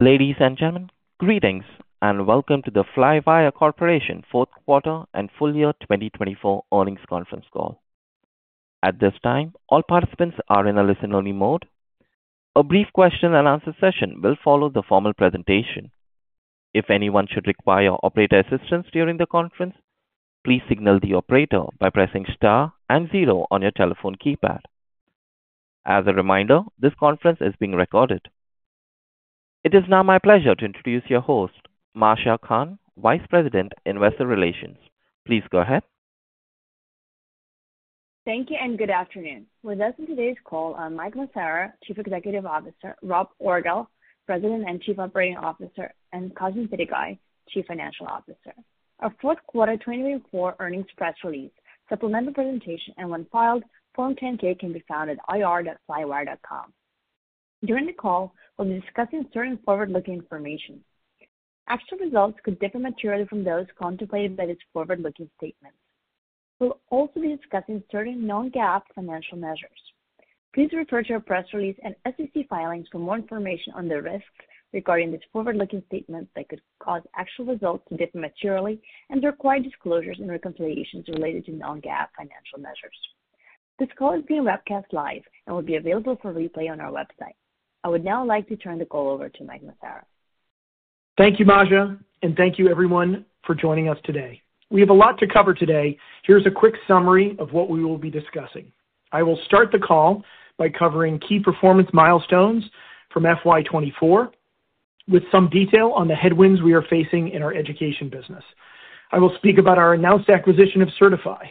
Ladies and gentlemen, greetings and welcome to the Flywire Corporation Fourth Quarter and Full Year 2024 earnings conference call. At this time, all participants are in a listen-only mode. A brief question-and-answer session will follow the formal presentation. If anyone should require operator assistance during the conference, please signal the operator by pressing star and zero on your telephone keypad. As a reminder, this conference is being recorded. It is now my pleasure to introduce your host, Masha Kahn, Vice President, Investor Relations. Please go ahead. Thank you and good afternoon. With us on today's call are Mike Massaro, Chief Executive Officer; Rob Orgel, President and Chief Operating Officer; and Cosmin Pitigoi, Chief Financial Officer. Our Fourth Quarter 2024 earnings press release, supplemental presentation and when filed, Form 10-K can be found at ir.flywire.com. During the call, we'll be discussing certain forward-looking information. Actual results could differ materially from those contemplated by this forward-looking statement. We'll also be discussing certain known gap financial measures. Please refer to our press release and SEC filings for more information on the risks regarding this forward-looking statement that could cause actual results to differ materially and require disclosures and reconciliations related to known gap financial measures. This call is being webcast live and will be available for replay on our website. I would now like to turn the call over to Mike Massaro. Thank you, Masha, and thank you, everyone, for joining us today. We have a lot to cover today. Here's a quick summary of what we will be discussing. I will start the call by covering key performance milestones from FY2024, with some detail on the headwinds we are facing in our education business. I will speak about our announced acquisition of Sertifi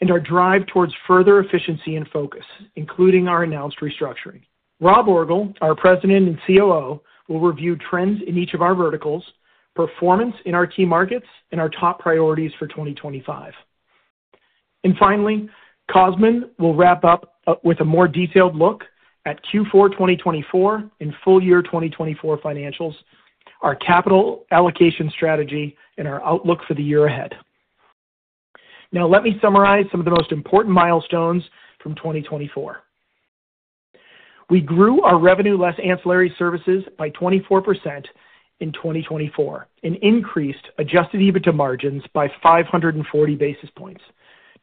and our drive towards further efficiency and focus, including our announced restructuring. Rob Orgel, our President and COO, will review trends in each of our verticals, performance in our key markets, and our top priorities for 2025. And finally, Cosmin will wrap up with a more detailed look at Q4 2024 and full year 2024 financials, our capital allocation strategy, and our outlook for the year ahead. Now, let me summarize some of the most important milestones from 2024. We grew our revenue less ancillary services by 24% in 2024 and increased Adjusted EBITDA margins by 540 basis points.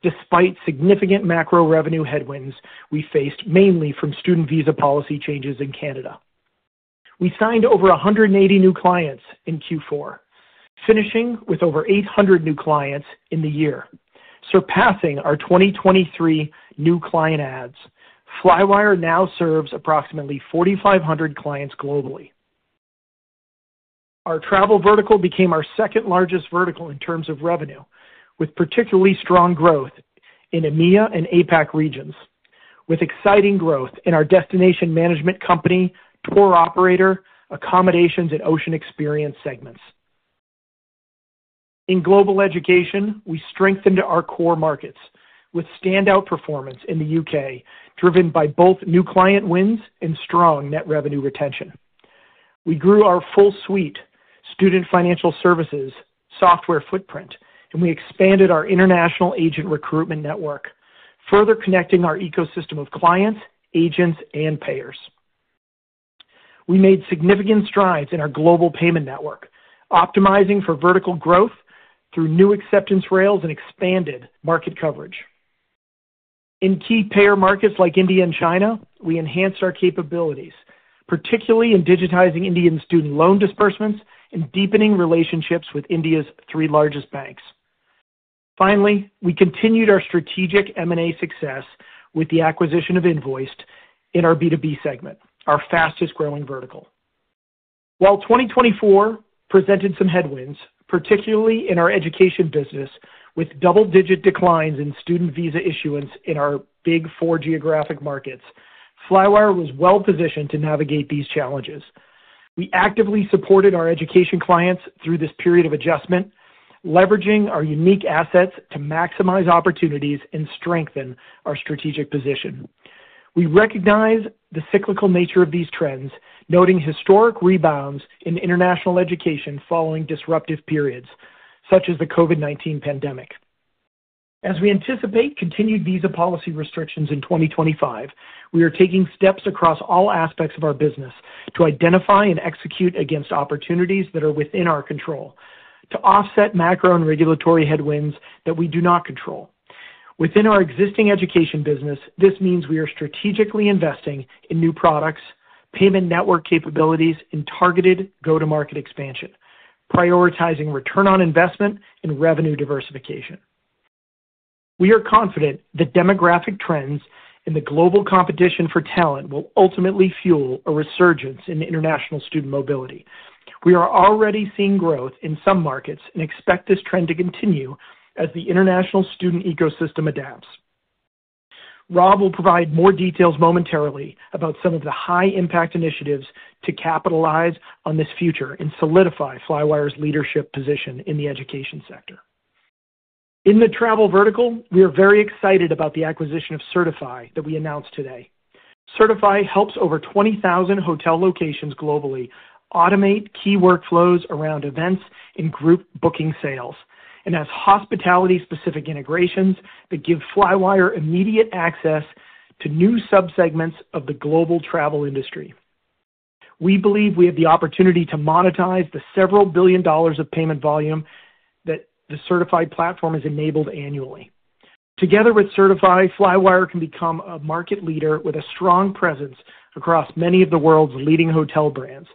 Despite significant macro revenue headwinds we faced mainly from student visa policy changes in Canada. We signed over 180 new clients in Q4, finishing with over 800 new clients in the year, surpassing our 2023 new client adds. Flywire now serves approximately 4,500 clients globally. Our travel vertical became our second-largest vertical in terms of revenue, with particularly strong growth in EMEA and APAC regions, with exciting growth in our destination management company, tour operator, accommodations, and ocean experience segments. In global education, we strengthened our core markets with standout performance in the UK, driven by both new client wins and strong net revenue retention. We grew our full suite student financial services software footprint, and we expanded our international agent recruitment network, further connecting our ecosystem of clients, agents, and payers. We made significant strides in our global payment network, optimizing for vertical growth through new acceptance rails and expanded market coverage. In key payer markets like India and China, we enhanced our capabilities, particularly in digitizing Indian student loan disbursements and deepening relationships with India's three largest banks. Finally, we continued our strategic M&A success with the acquisition of Invoiced in our B2B segment, our fastest-growing vertical. While 2024 presented some headwinds, particularly in our education business with double-digit declines in student visa issuance in our Big Four geographic markets, Flywire was well-positioned to navigate these challenges. We actively supported our education clients through this period of adjustment, leveraging our unique assets to maximize opportunities and strengthen our strategic position. We recognize the cyclical nature of these trends, noting historic rebounds in international education following disruptive periods such as the COVID-19 pandemic. As we anticipate continued visa policy restrictions in 2025, we are taking steps across all aspects of our business to identify and execute against opportunities that are within our control to offset macro and regulatory headwinds that we do not control. Within our existing education business, this means we are strategically investing in new products, payment network capabilities, and targeted go-to-market expansion, prioritizing return on investment and revenue diversification. We are confident the demographic trends and the global competition for talent will ultimately fuel a resurgence in international student mobility. We are already seeing growth in some markets and expect this trend to continue as the international student ecosystem adapts. Rob will provide more details momentarily about some of the high-impact initiatives to capitalize on this future and solidify Flywire's leadership position in the education sector. In the travel vertical, we are very excited about the acquisition of Sertifi that we announced today. Sertifi helps over 20,000 hotel locations globally automate key workflows around events and group booking sales, and has hospitality-specific integrations that give Flywire immediate access to new subsegments of the global travel industry. We believe we have the opportunity to monetize the several billion dollars of payment volume that the Sertifi platform has enabled annually. Together with Sertifi, Flywire can become a market leader with a strong presence across many of the world's leading hotel brands,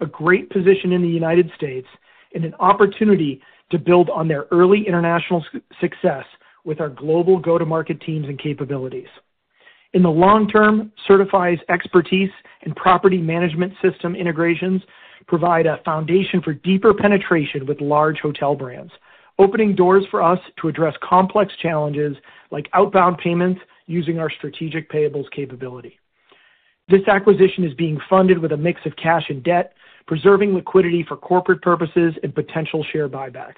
a great position in the United States, and an opportunity to build on their early international success with our global go-to-market teams and capabilities. In the long term, Sertifi's expertise and property management system integrations provide a foundation for deeper penetration with large hotel brands, opening doors for us to address complex challenges like outbound payments using our strategic payables capability. This acquisition is being funded with a mix of cash and debt, preserving liquidity for corporate purposes and potential share buybacks.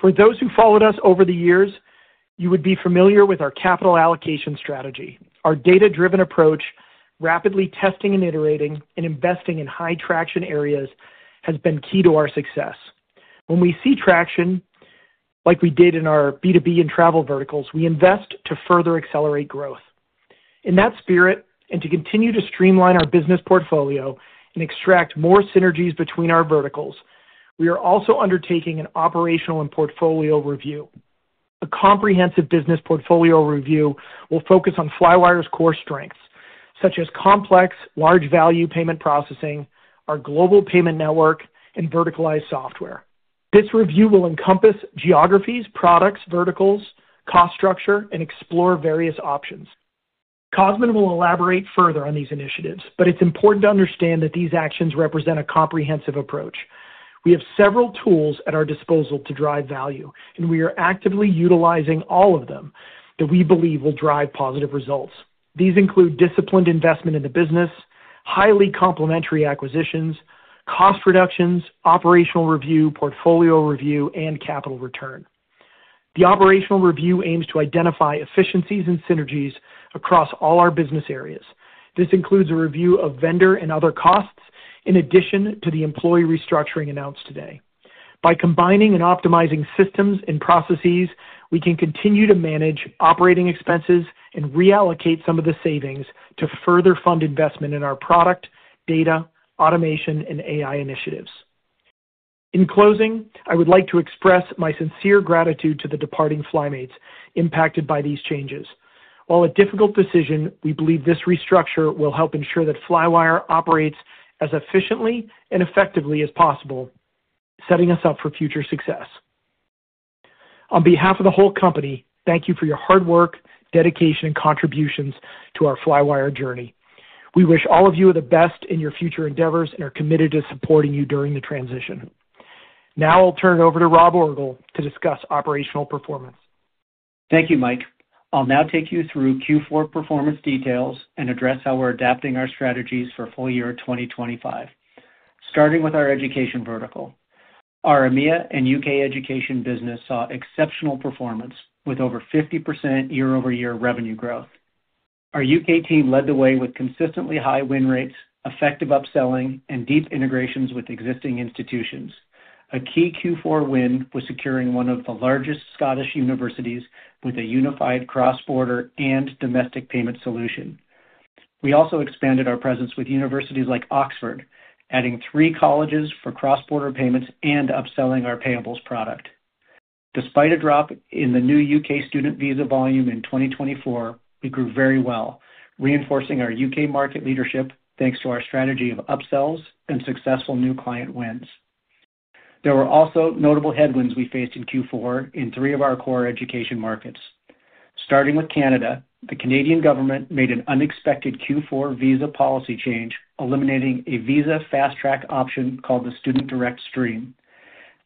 For those who followed us over the years, you would be familiar with our capital allocation strategy. Our data-driven approach, rapidly testing and iterating, and investing in high-traction areas has been key to our success. When we see traction, like we did in our B2B and travel verticals, we invest to further accelerate growth. In that spirit, and to continue to streamline our business portfolio and extract more synergies between our verticals, we are also undertaking an operational and portfolio review. A comprehensive business portfolio review will focus on Flywire's core strengths, such as complex, large-value payment processing, our global payment network, and verticalized software. This review will encompass geographies, products, verticals, cost structure, and explore various options. Cosmin will elaborate further on these initiatives, but it's important to understand that these actions represent a comprehensive approach. We have several tools at our disposal to drive value, and we are actively utilizing all of them that we believe will drive positive results. These include disciplined investment in the business, highly complementary acquisitions, cost reductions, operational review, portfolio review, and capital return. The operational review aims to identify efficiencies and synergies across all our business areas. This includes a review of vendor and other costs in addition to the employee restructuring announced today. By combining and optimizing systems and processes, we can continue to manage operating expenses and reallocate some of the savings to further fund investment in our product, data, automation, and AI initiatives. In closing, I would like to express my sincere gratitude to the departing FlyMates impacted by these changes. While a difficult decision, we believe this restructure will help ensure that Flywire operates as efficiently and effectively as possible, setting us up for future success. On behalf of the whole company, thank you for your hard work, dedication, and contributions to our Flywire journey. We wish all of you the best in your future endeavors and are committed to supporting you during the transition. Now I'll turn it over to Rob Orgel to discuss operational performance. Thank you, Mike. I'll now take you through Q4 performance details and address how we're adapting our strategies for full year 2025, starting with our education vertical. Our EMEA and U.K. education business saw exceptional performance with over 50% year-over-year revenue growth. Our U.K. team led the way with consistently high win rates, effective upselling, and deep integrations with existing institutions. A key Q4 win was securing one of the largest Scottish universities with a unified cross-border and domestic payment solution. We also expanded our presence with universities like Oxford, adding three colleges for cross-border payments and upselling our payables product. Despite a drop in the new U.K. student visa volume in 2024, we grew very well, reinforcing our U.K. market leadership thanks to our strategy of upsells and successful new client wins. There were also notable headwinds we faced in Q4 in three of our core education markets. Starting with Canada, the Canadian government made an unexpected Q4 visa policy change, eliminating a visa fast-track option called the Student Direct Stream.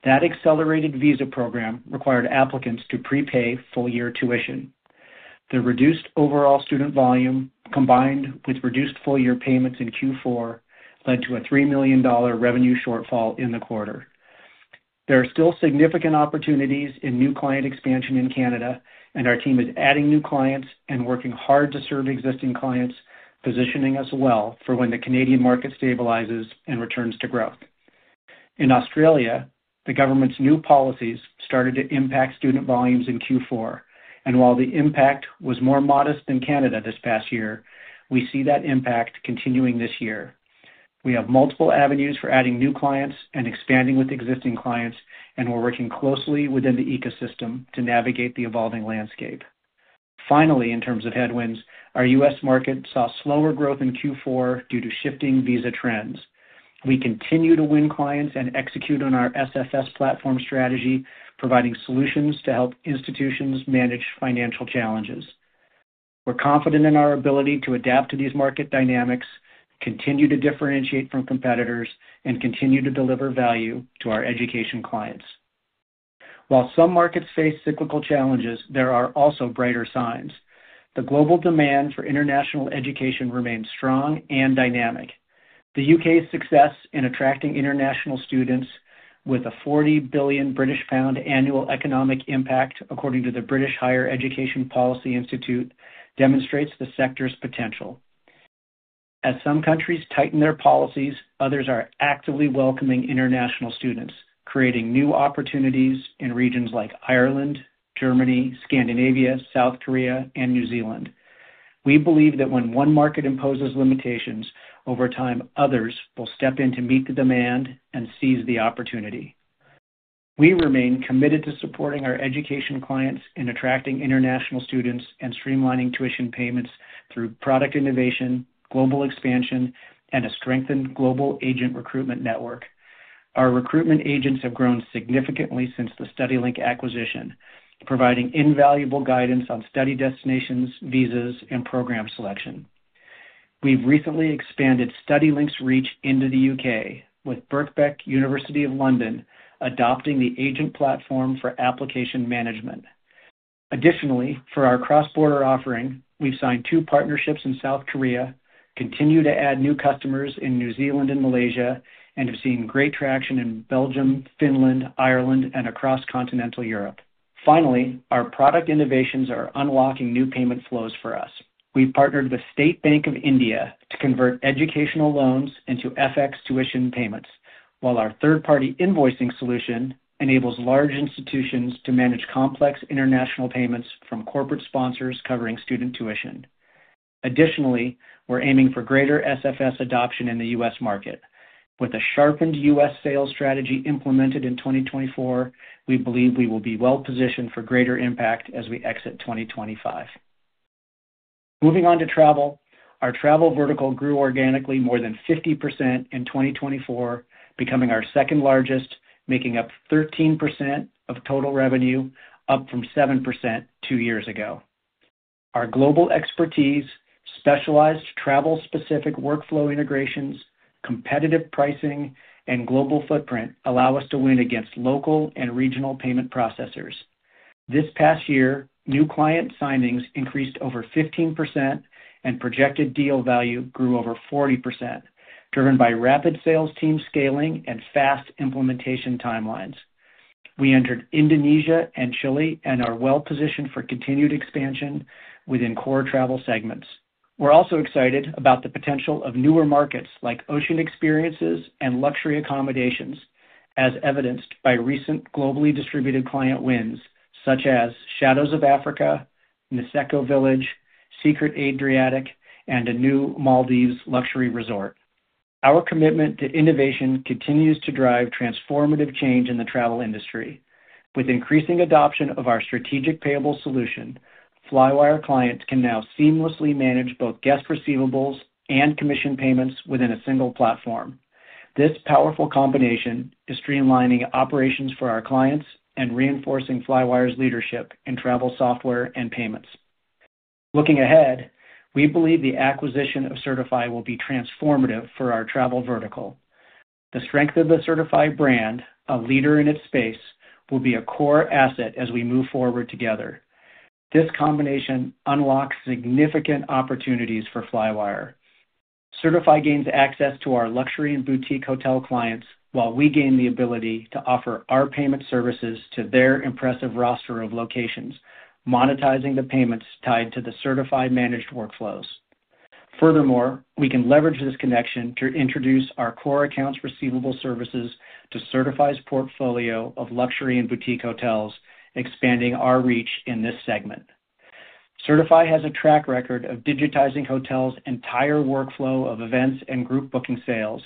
That accelerated visa program required applicants to prepay full-year tuition. The reduced overall student volume, combined with reduced full-year payments in Q4, led to a $3 million revenue shortfall in the quarter. There are still significant opportunities in new client expansion in Canada, and our team is adding new clients and working hard to serve existing clients, positioning us well for when the Canadian market stabilizes and returns to growth. In Australia, the government's new policies started to impact student volumes in Q4, and while the impact was more modest than Canada this past year, we see that impact continuing this year. We have multiple avenues for adding new clients and expanding with existing clients, and we're working closely within the ecosystem to navigate the evolving landscape. Finally, in terms of headwinds, our U.S. market saw slower growth in Q4 due to shifting visa trends. We continue to win clients and execute on our SFS platform strategy, providing solutions to help institutions manage financial challenges. We're confident in our ability to adapt to these market dynamics, continue to differentiate from competitors, and continue to deliver value to our education clients. While some markets face cyclical challenges, there are also brighter signs. The global demand for international education remains strong and dynamic. The U.K.'s success in attracting international students with a 40 billion British pound annual economic impact, according to the British Higher Education Policy Institute, demonstrates the sector's potential. As some countries tighten their policies, others are actively welcoming international students, creating new opportunities in regions like Ireland, Germany, Scandinavia, South Korea, and New Zealand. We believe that when one market imposes limitations, over time, others will step in to meet the demand and seize the opportunity. We remain committed to supporting our education clients in attracting international students and streamlining tuition payments through product innovation, global expansion, and a strengthened global agent recruitment network. Our recruitment agents have grown significantly since the StudyLink acquisition, providing invaluable guidance on study destinations, visas, and program selection. We've recently expanded StudyLink's reach into the U.K., with Birkbeck, University of London adopting the agent platform for application management. Additionally, for our cross-border offering, we've signed two partnerships in South Korea, continue to add new customers in New Zealand and Malaysia, and have seen great traction in Belgium, Finland, Ireland, and across continental Europe. Finally, our product innovations are unlocking new payment flows for us. We've partnered with State Bank of India to convert educational loans into FX tuition payments, while our third-party invoicing solution enables large institutions to manage complex international payments from corporate sponsors covering student tuition. Additionally, we're aiming for greater SFS adoption in the U.S. market. With a sharpened U.S. sales strategy implemented in 2024, we believe we will be well-positioned for greater impact as we exit 2025. Moving on to travel, our travel vertical grew organically more than 50% in 2024, becoming our second largest, making up 13% of total revenue, up from 7% two years ago. Our global expertise, specialized travel-specific workflow integrations, competitive pricing, and global footprint allow us to win against local and regional payment processors. This past year, new client signings increased over 15%, and projected deal value grew over 40%, driven by rapid sales team scaling and fast implementation timelines. We entered Indonesia and Chile and are well-positioned for continued expansion within core travel segments. We're also excited about the potential of newer markets like ocean experiences and luxury accommodations, as evidenced by recent globally distributed client wins such as Shadows of Africa, Niseko Village, Secret Adriatic, and a new Maldives luxury resort. Our commitment to innovation continues to drive transformative change in the travel industry. With increasing adoption of our strategic payable solution, Flywire clients can now seamlessly manage both guest receivables and commission payments within a single platform. This powerful combination is streamlining operations for our clients and reinforcing Flywire's leadership in travel software and payments. Looking ahead, we believe the acquisition of Sertifi will be transformative for our travel vertical. The strength of the Sertifi brand, a leader in its space, will be a core asset as we move forward together. This combination unlocks significant opportunities for Flywire. Sertifi gains access to our luxury and boutique hotel clients, while we gain the ability to offer our payment services to their impressive roster of locations, monetizing the payments tied to the Sertifi-managed workflows. Furthermore, we can leverage this connection to introduce our core accounts receivable services to Sertifi's portfolio of luxury and boutique hotels, expanding our reach in this segment. Sertifi has a track record of digitizing hotels' entire workflow of events and group booking sales,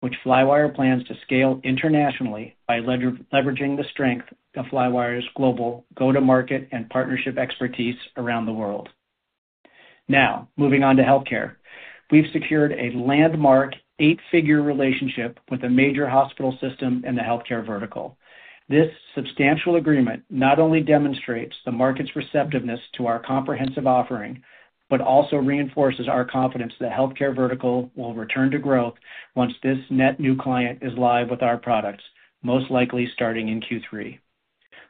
which Flywire plans to scale internationally by leveraging the strength of Flywire's global go-to-market and partnership expertise around the world. Now, moving on to healthcare, we've secured a landmark eight-figure relationship with a major hospital system in the healthcare vertical. This substantial agreement not only demonstrates the market's receptiveness to our comprehensive offering, but also reinforces our confidence that the healthcare vertical will return to growth once this net new client is live with our products, most likely starting in Q3.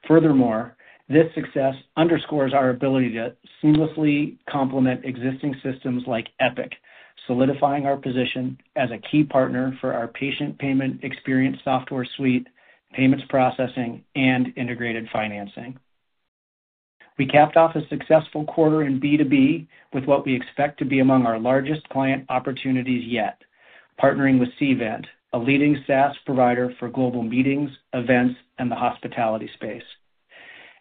Furthermore, this success underscores our ability to seamlessly complement existing systems like Epic, solidifying our position as a key partner for our patient payment experience software suite, payments processing, and integrated financing. We capped off a successful quarter in B2B with what we expect to be among our largest client opportunities yet, partnering with Cvent, a leading SaaS provider for global meetings, events, and the hospitality space.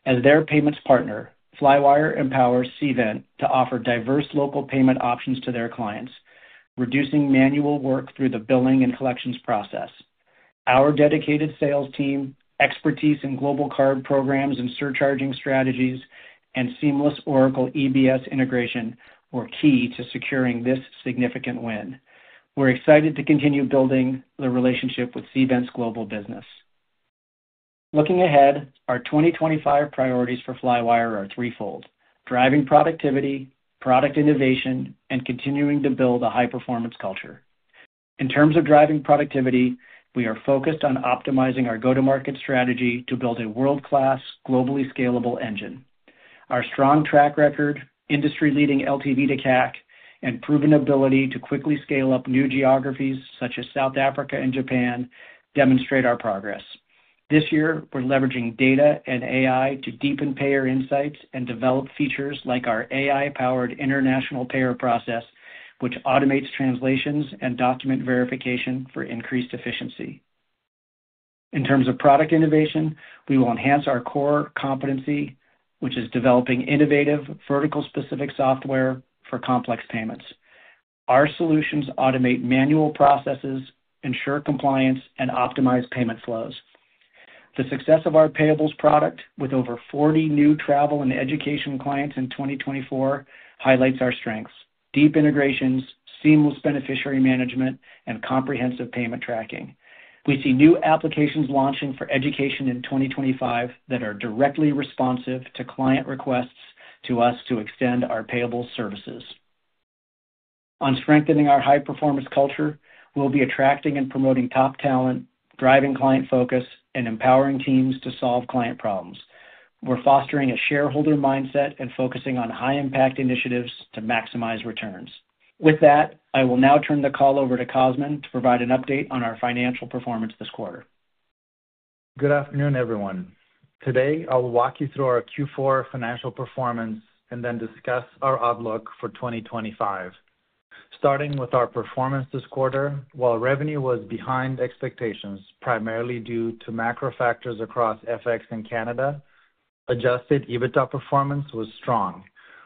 As their payments partner, Flywire empowers Cvent to offer diverse local payment options to their clients, reducing manual work through the billing and collections process. Our dedicated sales team, expertise in global card programs and surcharging strategies, and seamless Oracle EBS integration were key to securing this significant win. We're excited to continue building the relationship with Cvent's global business. Looking ahead, our 2025 priorities for Flywire are threefold: driving productivity, product innovation, and continuing to build a high-performance culture. In terms of driving productivity, we are focused on optimizing our go-to-market strategy to build a world-class, globally scalable engine. Our strong track record, industry-leading LTV to CAC, and proven ability to quickly scale up new geographies such as South Africa and Japan demonstrate our progress. This year, we're leveraging data and AI to deepen payer insights and develop features like our AI-powered international payer process, which automates translations and document verification for increased efficiency. In terms of product innovation, we will enhance our core competency, which is developing innovative vertical-specific software for complex payments. Our solutions automate manual processes, ensure compliance, and optimize payment flows. The success of our payables product with over 40 new travel and education clients in 2024 highlights our strengths: deep integrations, seamless beneficiary management, and comprehensive payment tracking. We see new applications launching for education in 2025 that are directly responsive to client requests to us to extend our payable services. On strengthening our high-performance culture, we'll be attracting and promoting top talent, driving client focus, and empowering teams to solve client problems. We're fostering a shareholder mindset and focusing on high-impact initiatives to maximize returns. With that, I will now turn the call over to Cosmin to provide an update on our financial performance this quarter. Good afternoon, everyone. Today, I'll walk you through our Q4 financial performance and then discuss our outlook for 2025. Starting with our performance this quarter, while revenue was behind expectations primarily due to macro factors across FX and Canada, adjusted EBITDA performance was strong,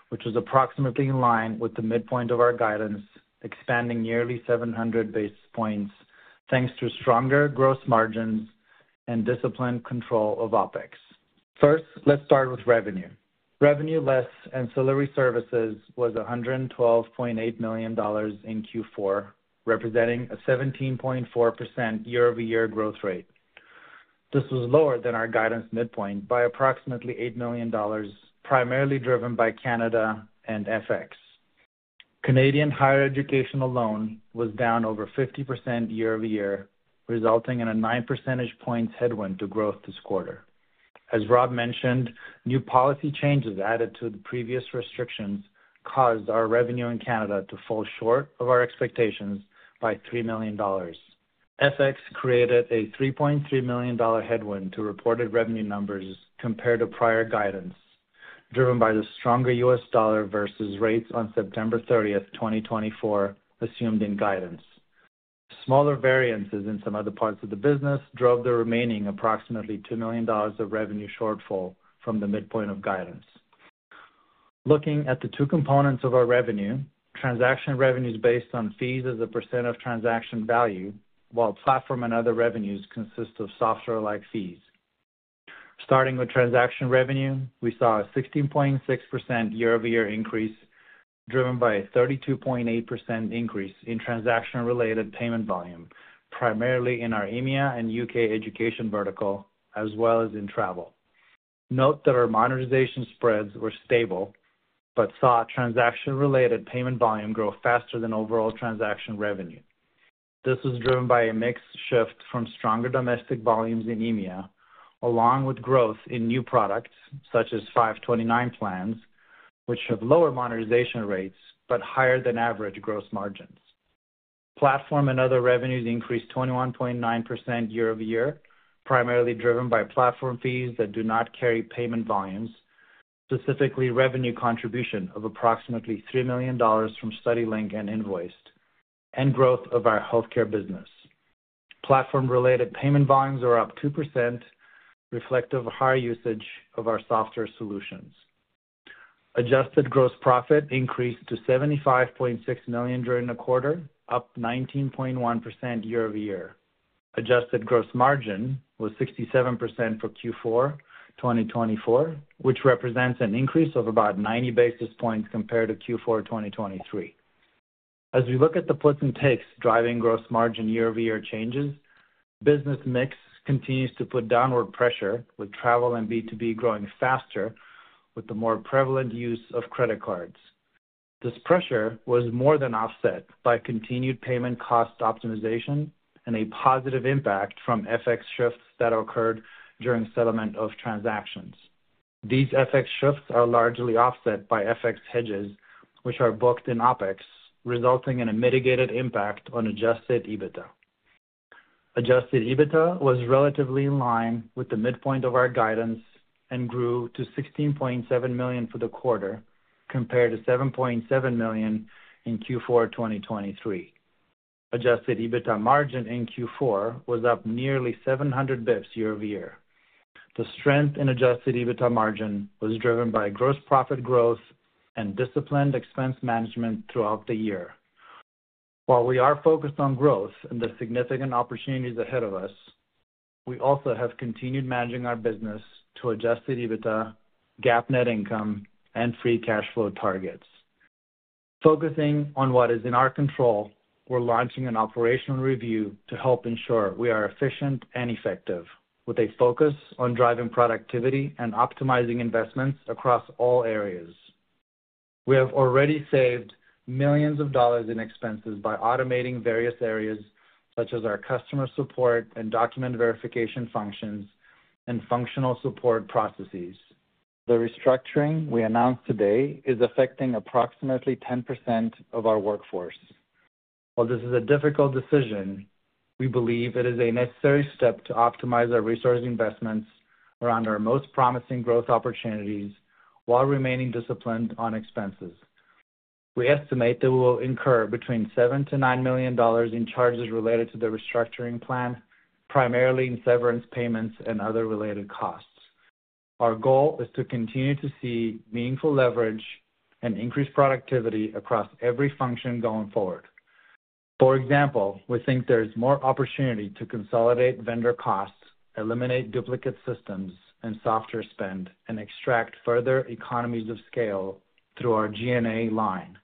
which was approximately in line with the midpoint of our guidance, expanding nearly 700 basis points thanks to stronger gross margins and disciplined control of OpEx. First, let's start with revenue. Revenue less ancillary services was $112.8 million in Q4, representing a 17.4% year-over-year growth rate. This was lower than our guidance midpoint by approximately $8 million, primarily driven by Canada and FX. Canadian higher education volume was down over 50% year-over-year, resulting in a 9 percentage points headwind to growth this quarter. As Rob mentioned, new policy changes added to the previous restrictions caused our revenue in Canada to fall short of our expectations by $3 million. FX created a $3.3 million headwind to reported revenue numbers compared to prior guidance, driven by the stronger US dollar versus rates on September 30th, 2024, assumed in guidance. Smaller variances in some other parts of the business drove the remaining approximately $2 million of revenue shortfall from the midpoint of guidance. Looking at the two components of our revenue, transaction revenues based on fees as a percent of transaction value, while platform and other revenues consist of software-like fees. Starting with transaction revenue, we saw a 16.6% year-over-year increase, driven by a 32.8% increase in transaction-related payment volume, primarily in our EMEA and UK education vertical, as well as in travel. Note that our monetization spreads were stable but saw transaction-related payment volume grow faster than overall transaction revenue. This was driven by a mixed shift from stronger domestic volumes in EMEA, along with growth in new products such as 529 plans, which have lower monetization rates but higher than average gross margins. Platform and other revenues increased 21.9% year-over-year, primarily driven by platform fees that do not carry payment volumes, specifically revenue contribution of approximately $3 million from StudyLink and Invoiced, and growth of our healthcare business. Platform-related payment volumes are up 2%, reflective of higher usage of our software solutions. Adjusted gross profit increased to $75.6 million during the quarter, up 19.1% year-over-year. Adjusted gross margin was 67% for Q4 2024, which represents an increase of about 90 basis points compared to Q4 2023. As we look at the plus and takes driving gross margin year-over-year changes, business mix continues to put downward pressure, with travel and B2B growing faster with the more prevalent use of credit cards. This pressure was more than offset by continued payment cost optimization and a positive impact from FX shifts that occurred during settlement of transactions. These FX shifts are largely offset by FX hedges, which are booked in OpEx, resulting in a mitigated impact on adjusted EBITDA. Adjusted EBITDA was relatively in line with the midpoint of our guidance and grew to $16.7 million for the quarter compared to $7.7 million in Q4 2023. Adjusted EBITDA margin in Q4 was up nearly 700 basis points year-over-year. The strength in adjusted EBITDA margin was driven by gross profit growth and disciplined expense management throughout the year. While we are focused on growth and the significant opportunities ahead of us, we also have continued managing our business to Adjusted EBITDA, GAAP net income, and free cash flow targets. Focusing on what is in our control, we're launching an operational review to help ensure we are efficient and effective, with a focus on driving productivity and optimizing investments across all areas. We have already saved millions of dollars in expenses by automating various areas such as our customer support and document verification functions and functional support processes. The restructuring we announced today is affecting approximately 10% of our workforce. While this is a difficult decision, we believe it is a necessary step to optimize our resource investments around our most promising growth opportunities while remaining disciplined on expenses. We estimate that we will incur between $7 million-$9 million in charges related to the restructuring plan, primarily in severance payments and other related costs. Our goal is to continue to see meaningful leverage and increased productivity across every function going forward. For example, we think there's more opportunity to consolidate vendor costs, eliminate duplicate systems and software spend, and extract further economies of scale through our G&A line.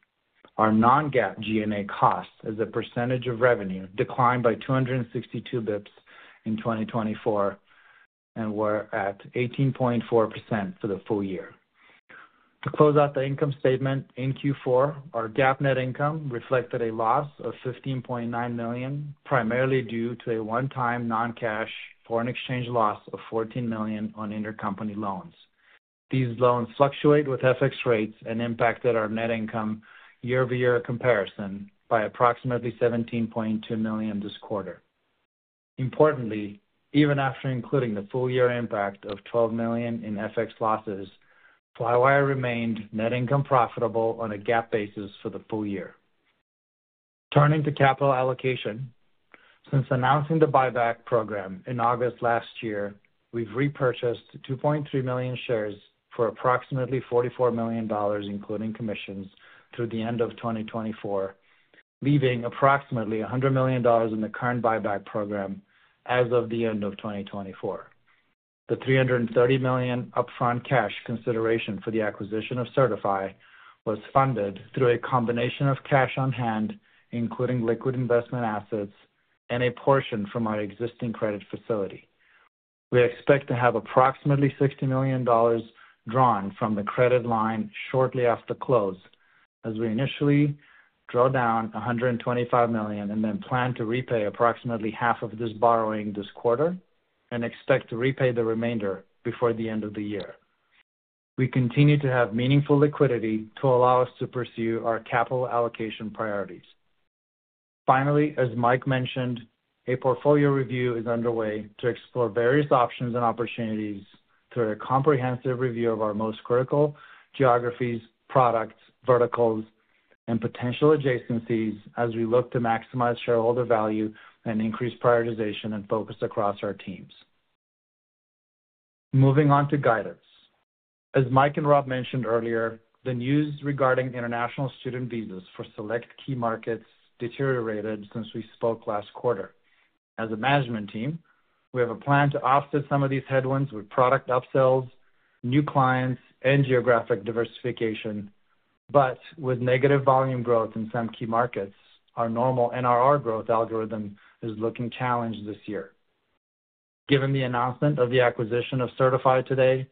Our non-GAAP G&A costs as a percentage of revenue declined by 262 basis points in 2024, and we're at 18.4% for the full year. To close out the income statement in Q4, our GAAP net income reflected a loss of $15.9 million, primarily due to a one-time non-cash foreign exchange loss of $14 million on intercompany loans. These loans fluctuate with FX rates and impacted our net income year-over-year comparison by approximately $17.2 million this quarter. Importantly, even after including the full-year impact of $12 million in FX losses, Flywire remained net income profitable on a GAAP basis for the full year. Turning to capital allocation, since announcing the buyback program in August last year, we've repurchased 2.3 million shares for approximately $44 million, including commissions, through the end of 2024, leaving approximately $100 million in the current buyback program as of the end of 2024. The $330 million upfront cash consideration for the acquisition of Sertifi was funded through a combination of cash on hand, including liquid investment assets, and a portion from our existing credit facility. We expect to have approximately $60 million drawn from the credit line shortly after close, as we initially draw down $125 million and then plan to repay approximately half of this borrowing this quarter and expect to repay the remainder before the end of the year. We continue to have meaningful liquidity to allow us to pursue our capital allocation priorities. Finally, as Mike mentioned, a portfolio review is underway to explore various options and opportunities through a comprehensive review of our most critical geographies, products, verticals, and potential adjacencies as we look to maximize shareholder value and increase prioritization and focus across our teams. Moving on to guidance. As Mike and Rob mentioned earlier, the news regarding international student visas for select key markets deteriorated since we spoke last quarter. As a management team, we have a plan to offset some of these headwinds with product upsells, new clients, and geographic diversification, but with negative volume growth in some key markets, our normal NRR growth algorithm is looking challenged this year. Given the announcement of the acquisition of Sertifi today,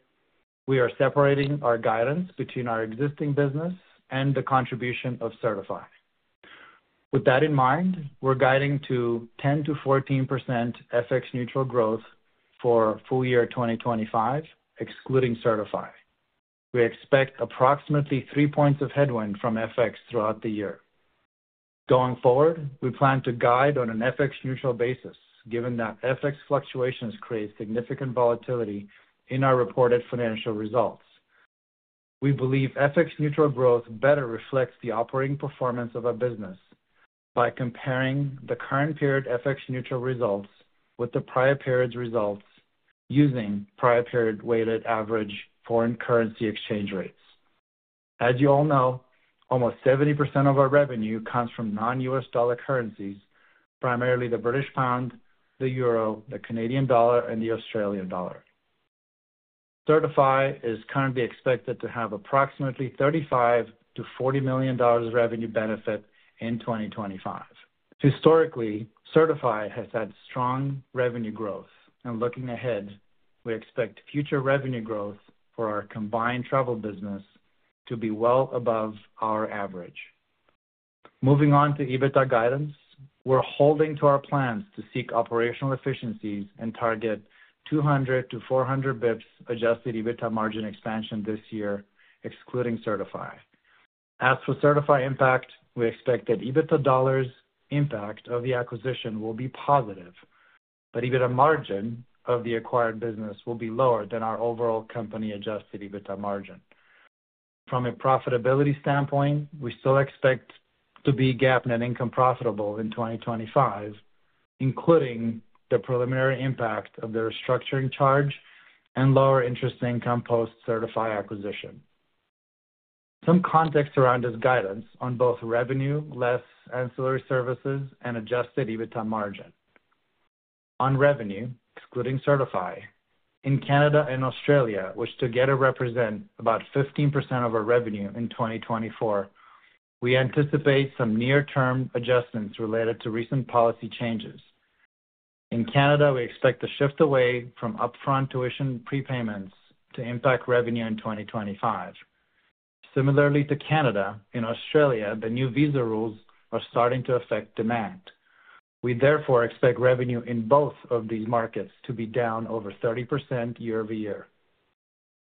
we are separating our guidance between our existing business and the contribution of Sertifi. With that in mind, we're guiding to 10%-14% FX-neutral growth for full year 2025, excluding Sertifi. We expect approximately three points of headwind from FX throughout the year. Going forward, we plan to guide on an FX-neutral basis, given that FX fluctuations create significant volatility in our reported financial results. We believe FX-neutral growth better reflects the operating performance of our business by comparing the current period FX-neutral results with the prior period's results using prior period-weighted average foreign currency exchange rates. As you all know, almost 70% of our revenue comes from non-U.S. dollar currencies, primarily the British pound, the euro, the Canadian dollar, and the Australian dollar. Sertifi is currently expected to have approximately $35 million-$40 million revenue benefit in 2025. Historically, Sertifi has had strong revenue growth, and looking ahead, we expect future revenue growth for our combined travel business to be well above our average. Moving on to EBITDA guidance, we're holding to our plans to seek operational efficiencies and target 200-400 basis points adjusted EBITDA margin expansion this year, excluding Sertifi. As for Sertifi impact, we expect that EBITDA dollars impact of the acquisition will be positive, but EBITDA margin of the acquired business will be lower than our overall company adjusted EBITDA margin. From a profitability standpoint, we still expect to be GAAP net income profitable in 2025, including the preliminary impact of the restructuring charge and lower interest income post-Sertifi acquisition. Some context around this guidance on both revenue, less ancillary services, and adjusted EBITDA margin. On revenue, excluding Sertifi, in Canada and Australia, which together represent about 15% of our revenue in 2024, we anticipate some near-term adjustments related to recent policy changes. In Canada, we expect to shift away from upfront tuition prepayments to impact revenue in 2025. Similarly to Canada, in Australia, the new visa rules are starting to affect demand. We therefore expect revenue in both of these markets to be down over 30% year-over-year.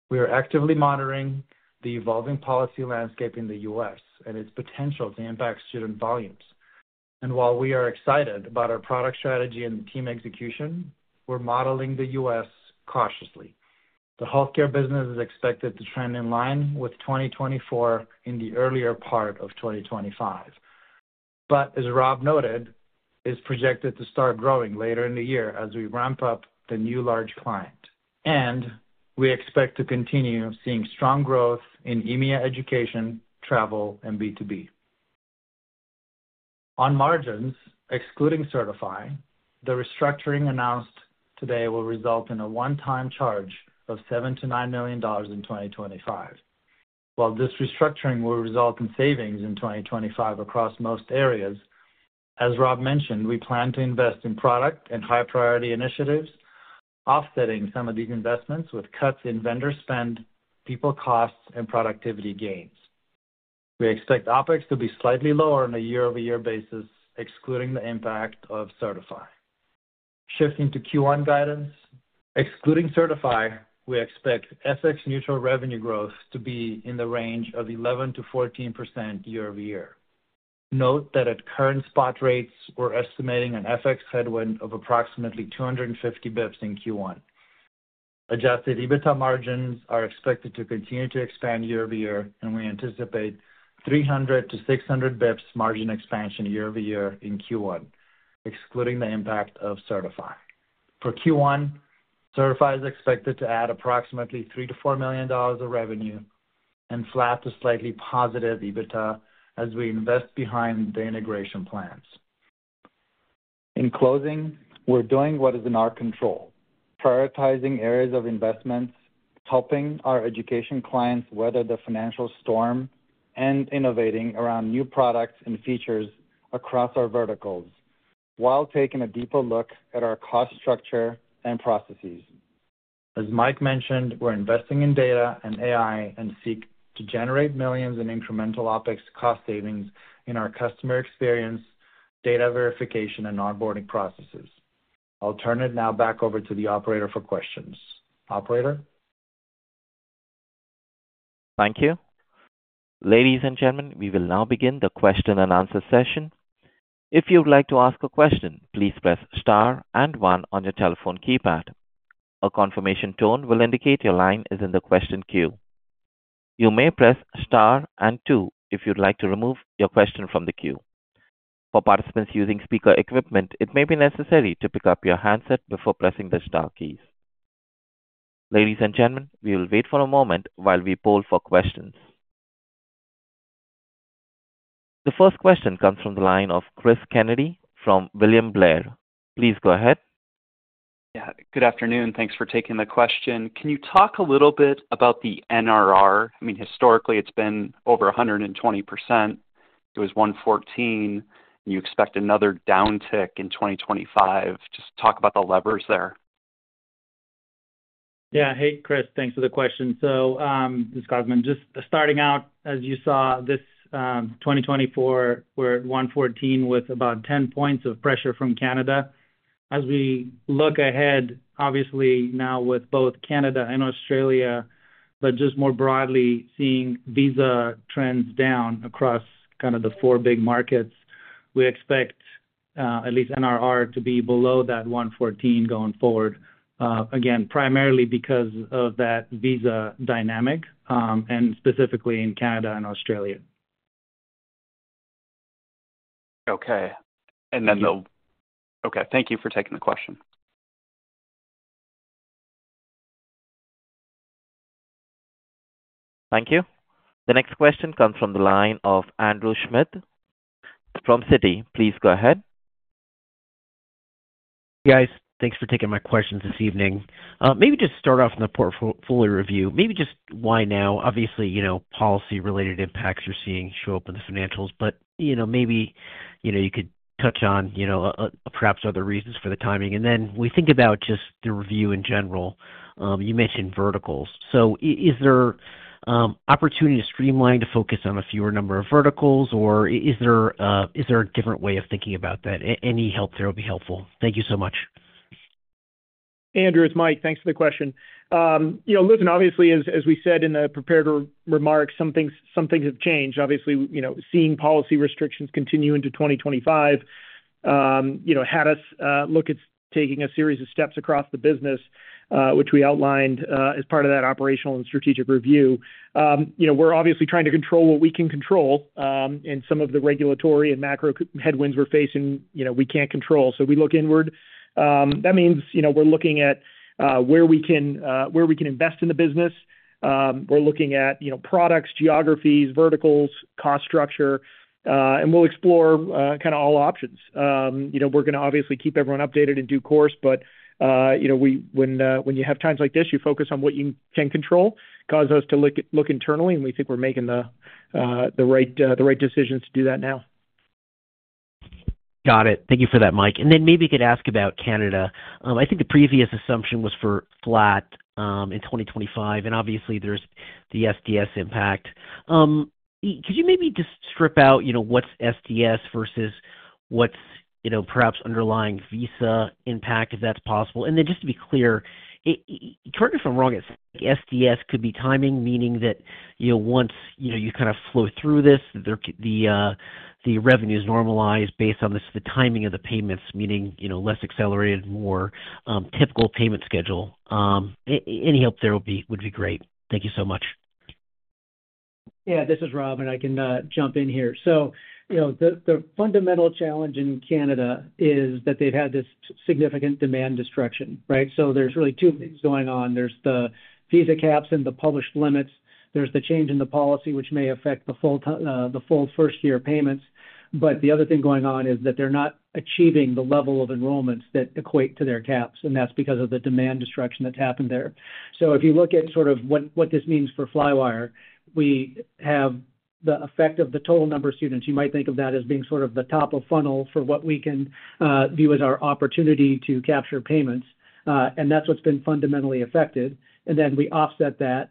We are actively monitoring the evolving policy landscape in the U.S. and its potential to impact student volumes, and while we are excited about our product strategy and the team execution, we're modeling the U.S. cautiously. The healthcare business is expected to trend in line with 2024 in the earlier part of 2025, but as Rob noted, is projected to start growing later in the year as we ramp up the new large client. We expect to continue seeing strong growth in EMEA education, travel, and B2B. On margins, excluding Sertifi, the restructuring announced today will result in a one-time charge of $7 million-$9 million in 2025. While this restructuring will result in savings in 2025 across most areas, as Rob mentioned, we plan to invest in product and high-priority initiatives, offsetting some of these investments with cuts in vendor spend, people costs, and productivity gains. We expect OpEx to be slightly lower on a year-over-year basis, excluding the impact of Sertifi. Shifting to Q1 guidance, excluding Sertifi, we expect FX-neutral revenue growth to be in the range of 11%-14% year-over-year. Note that at current spot rates, we're estimating an FX headwind of approximately 250 basis points in Q1. Adjusted EBITDA margins are expected to continue to expand year-over-year, and we anticipate 300 to 600 basis points margin expansion year-over-year in Q1, excluding the impact of Sertifi. For Q1, Sertifi is expected to add approximately $3 million-$4 million of revenue and flat to slightly positive EBITDA as we invest behind the integration plans. In closing, we're doing what is in our control, prioritizing areas of investments, helping our education clients weather the financial storm, and innovating around new products and features across our verticals while taking a deeper look at our cost structure and processes. As Mike mentioned, we're investing in data and AI and seek to generate millions in incremental OpEx cost savings in our customer experience, data verification, and onboarding processes. I'll turn it now back over to the operator for questions. Operator? Thank you. Ladies and gentlemen, we will now begin the question and answer session. If you'd like to ask a question, please press star and one on your telephone keypad. A confirmation tone will indicate your line is in the question queue. You may press star and two if you'd like to remove your question from the queue. For participants using speaker equipment, it may be necessary to pick up your handset before pressing the star keys. Ladies and gentlemen, we will wait for a moment while we poll for questions. The first question comes from the line of Chris Kennedy from William Blair. Please go ahead. Yeah. Good afternoon. Thanks for taking the question. Can you talk a little bit about the NRR? I mean, historically, it's been over 120%. It was 114%. You expect another downtick in 2025. Just talk about the levers there. Yeah. Hey, Chris. Thanks for the question. So, this is Cosmin. Just starting out, as you saw, this 2024, we're at 114% with about 10 points of pressure from Canada. As we look ahead, obviously now with both Canada and Australia, but just more broadly seeing visa trends down across kind of the four big markets, we expect at least NRR to be below that 114% going forward, again, primarily because of that visa dynamic, and specifically in Canada and Australia. Okay. Thank you for taking the question. Thank you. The next question comes from the line of Andrew Schmidt from Citi. Please go ahead. Hey, guys. Thanks for taking my questions this evening. Maybe just start off in the portfolio review. Maybe just why now? Obviously, policy-related impacts you're seeing show up in the financials, but maybe you could touch on perhaps other reasons for the timing. And then we think about just the review in general. You mentioned verticals. So is there opportunity to streamline to focus on a fewer number of verticals, or is there a different way of thinking about that? Any help there would be helpful. Thank you so much. Andrew, it's Mike. Thanks for the question. Listen, obviously, as we said in the prepared remarks, some things have changed. Obviously, seeing policy restrictions continue into 2025 had us look at taking a series of steps across the business, which we outlined as part of that operational and strategic review. We're obviously trying to control what we can control, and some of the regulatory and macro headwinds we're facing, we can't control. So we look inward. That means we're looking at where we can invest in the business. We're looking at products, geographies, verticals, cost structure. And we'll explore kind of all options. We're going to obviously keep everyone updated in due course, but when you have times like this, you focus on what you can control, causes us to look internally, and we think we're making the right decisions to do that now. Got it. Thank you for that, Mike. And then maybe you could talk about Canada. I think the previous assumption was for flat in 2025, and obviously, there's the SDS impact. Could you maybe just strip out what's SDS versus what's perhaps underlying visa impact, if that's possible? And then just to be clear, correct me if I'm wrong, it's SDS could be timing, meaning that once you kind of flow through this, the revenues normalize based on the timing of the payments, meaning less accelerated, more typical payment schedule. Any help there would be great. Thank you so much. Yeah. This is Rob, and I can jump in here. So the fundamental challenge in Canada is that they've had this significant demand destruction, right? So there's really two things going on. There's the visa caps and the published limits. There's the change in the policy, which may affect the full first-year payments. But the other thing going on is that they're not achieving the level of enrollments that equate to their caps, and that's because of the demand destruction that's happened there. So if you look at sort of what this means for Flywire, we have the effect of the total number of students. You might think of that as being sort of the top of funnel for what we can view as our opportunity to capture payments. And that's what's been fundamentally affected. And then we offset that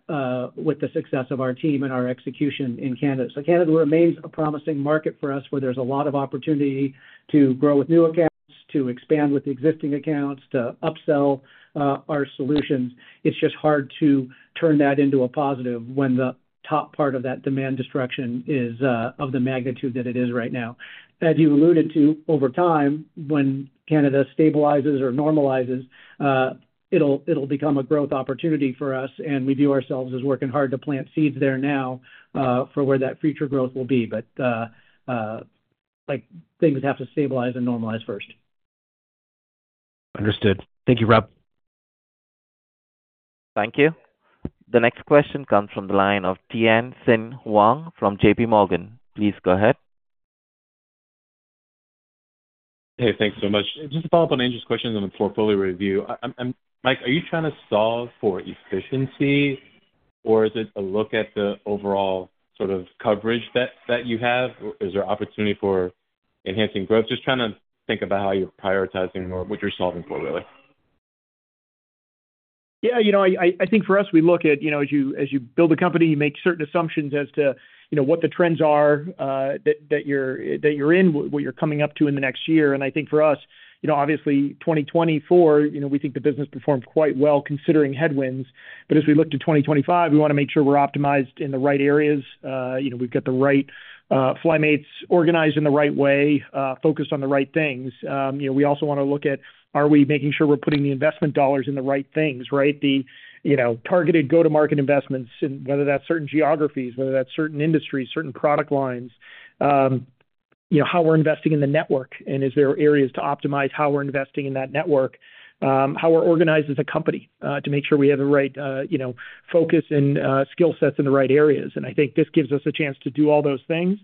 with the success of our team and our execution in Canada. Canada remains a promising market for us where there's a lot of opportunity to grow with new accounts, to expand with existing accounts, to upsell our solutions. It's just hard to turn that into a positive when the top part of that demand destruction is of the magnitude that it is right now. As you alluded to, over time, when Canada stabilizes or normalizes, it'll become a growth opportunity for us, and we view ourselves as working hard to plant seeds there now for where that future growth will be. But things have to stabilize and normalize first. Understood. Thank you, Rob. Thank you. The next question comes from the line of Tien-tsin Huang from JPMorgan. Please go ahead. Hey, thanks so much. Just to follow up on Andrew's question on the portfolio review. Mike, are you trying to solve for efficiency, or is it a look at the overall sort of coverage that you have? Is there opportunity for enhancing growth? Just trying to think about how you're prioritizing or what you're solving for, really. Yeah. I think for us, we look at as you build a company, you make certain assumptions as to what the trends are that you're in, what you're coming up to in the next year. And I think for us, obviously, 2024, we think the business performed quite well considering headwinds. But as we look to 2025, we want to make sure we're optimized in the right areas. We've got the right Flymates organized in the right way, focused on the right things. We also want to look at, are we making sure we're putting the investment dollars in the right things, right? The targeted go-to-market investments, and whether that's certain geographies, whether that's certain industries, certain product lines, how we're investing in the network, and is there areas to optimize how we're investing in that network, how we're organized as a company to make sure we have the right focus and skill sets in the right areas, and I think this gives us a chance to do all those things,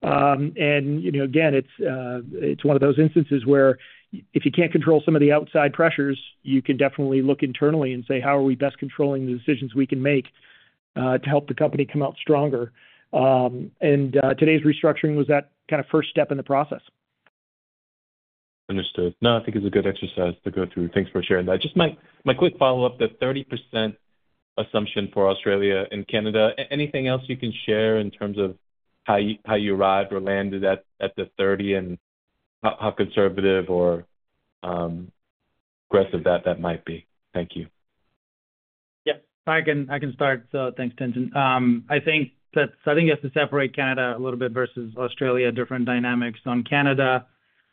and again, it's one of those instances where if you can't control some of the outside pressures, you can definitely look internally and say, how are we best controlling the decisions we can make to help the company come out stronger, and today's restructuring was that kind of first step in the process. Understood. No, I think it's a good exercise to go through. Thanks for sharing that. Just my quick follow-up, the 30% assumption for Australia and Canada, anything else you can share in terms of how you arrived or landed at the 30 and how conservative or aggressive that might be? Thank you. Yeah. I can start. So thanks, Tien. I think that starting to separate Canada a little bit versus Australia, different dynamics. On Canada,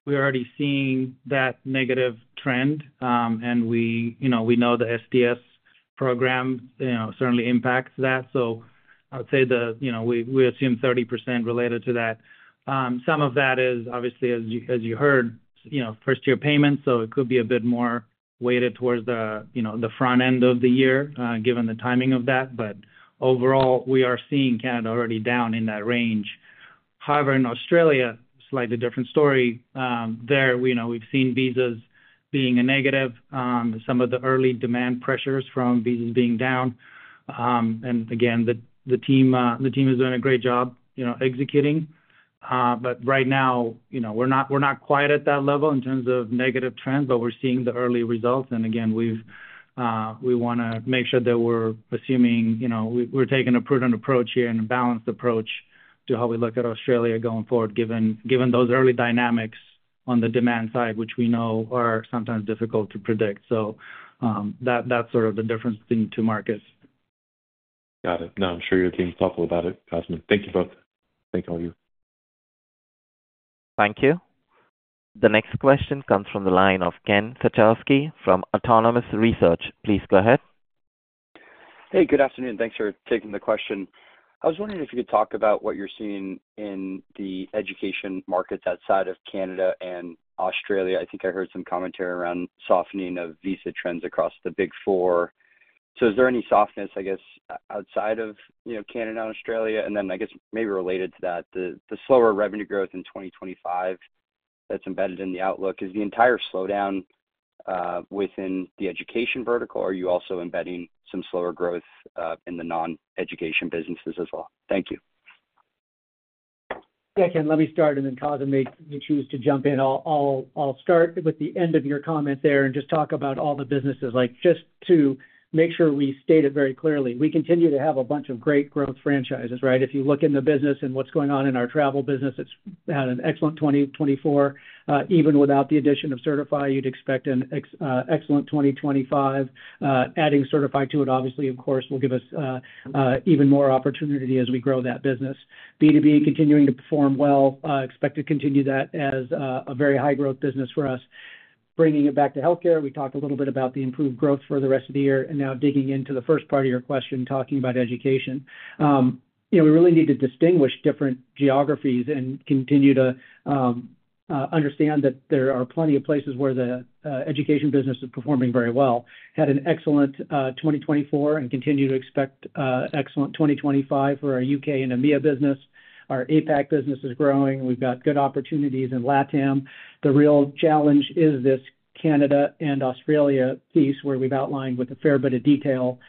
we're already seeing that negative trend, and we know the SDS program certainly impacts that. So I would say we assume 30% related to that. Some of that is, obviously, as you heard, first-year payments, so it could be a bit more weighted towards the front end of the year given the timing of that. But overall, we are seeing Canada already down in that range. However, in Australia, slightly different story. There, we've seen visas being a negative, some of the early demand pressures from visas being down. And again, the team is doing a great job executing. But right now, we're not quite at that level in terms of negative trend, but we're seeing the early results. And again, we want to make sure that we're assuming we're taking a prudent approach here and a balanced approach to how we look at Australia going forward, given those early dynamics on the demand side, which we know are sometimes difficult to predict. So that's sort of the difference between two markets. Got it. No, I'm sure your team's thoughtful about it, Cosmin. Thank you both. Thank all of you. Thank you. The next question comes from the line of Ken Suchoski from Autonomous Research. Please go ahead. Hey, good afternoon. Thanks for taking the question. I was wondering if you could talk about what you're seeing in the education markets outside of Canada and Australia. I think I heard some commentary around softening of visa trends across the Big Four. So is there any softness, I guess, outside of Canada and Australia? And then I guess maybe related to that, the slower revenue growth in 2025 that's embedded in the outlook, is the entire slowdown within the education vertical, or are you also embedding some slower growth in the non-education businesses as well? Thank you. Yeah, Ken, let me start, and then Cosmin may choose to jump in. I'll start with the end of your comment there and just talk about all the businesses. Just to make sure we state it very clearly, we continue to have a bunch of great growth franchises, right? If you look in the business and what's going on in our travel business, it's had an excellent 2024. Even without the addition of Sertifi, you'd expect an excellent 2025. Adding Sertifi to it, obviously, of course, will give us even more opportunity as we grow that business. B2B continuing to perform well. Expect to continue that as a very high-growth business for us. Bringing it back to healthcare, we talked a little bit about the improved growth for the rest of the year, and now digging into the first part of your question, talking about education. We really need to distinguish different geographies and continue to understand that there are plenty of places where the education business is performing very well. Had an excellent 2024 and continue to expect excellent 2025 for our U.K. and EMEA business. Our APAC business is growing. We've got good opportunities in LatAm. The real challenge is this Canada and Australia piece where we've outlined with a fair bit of detail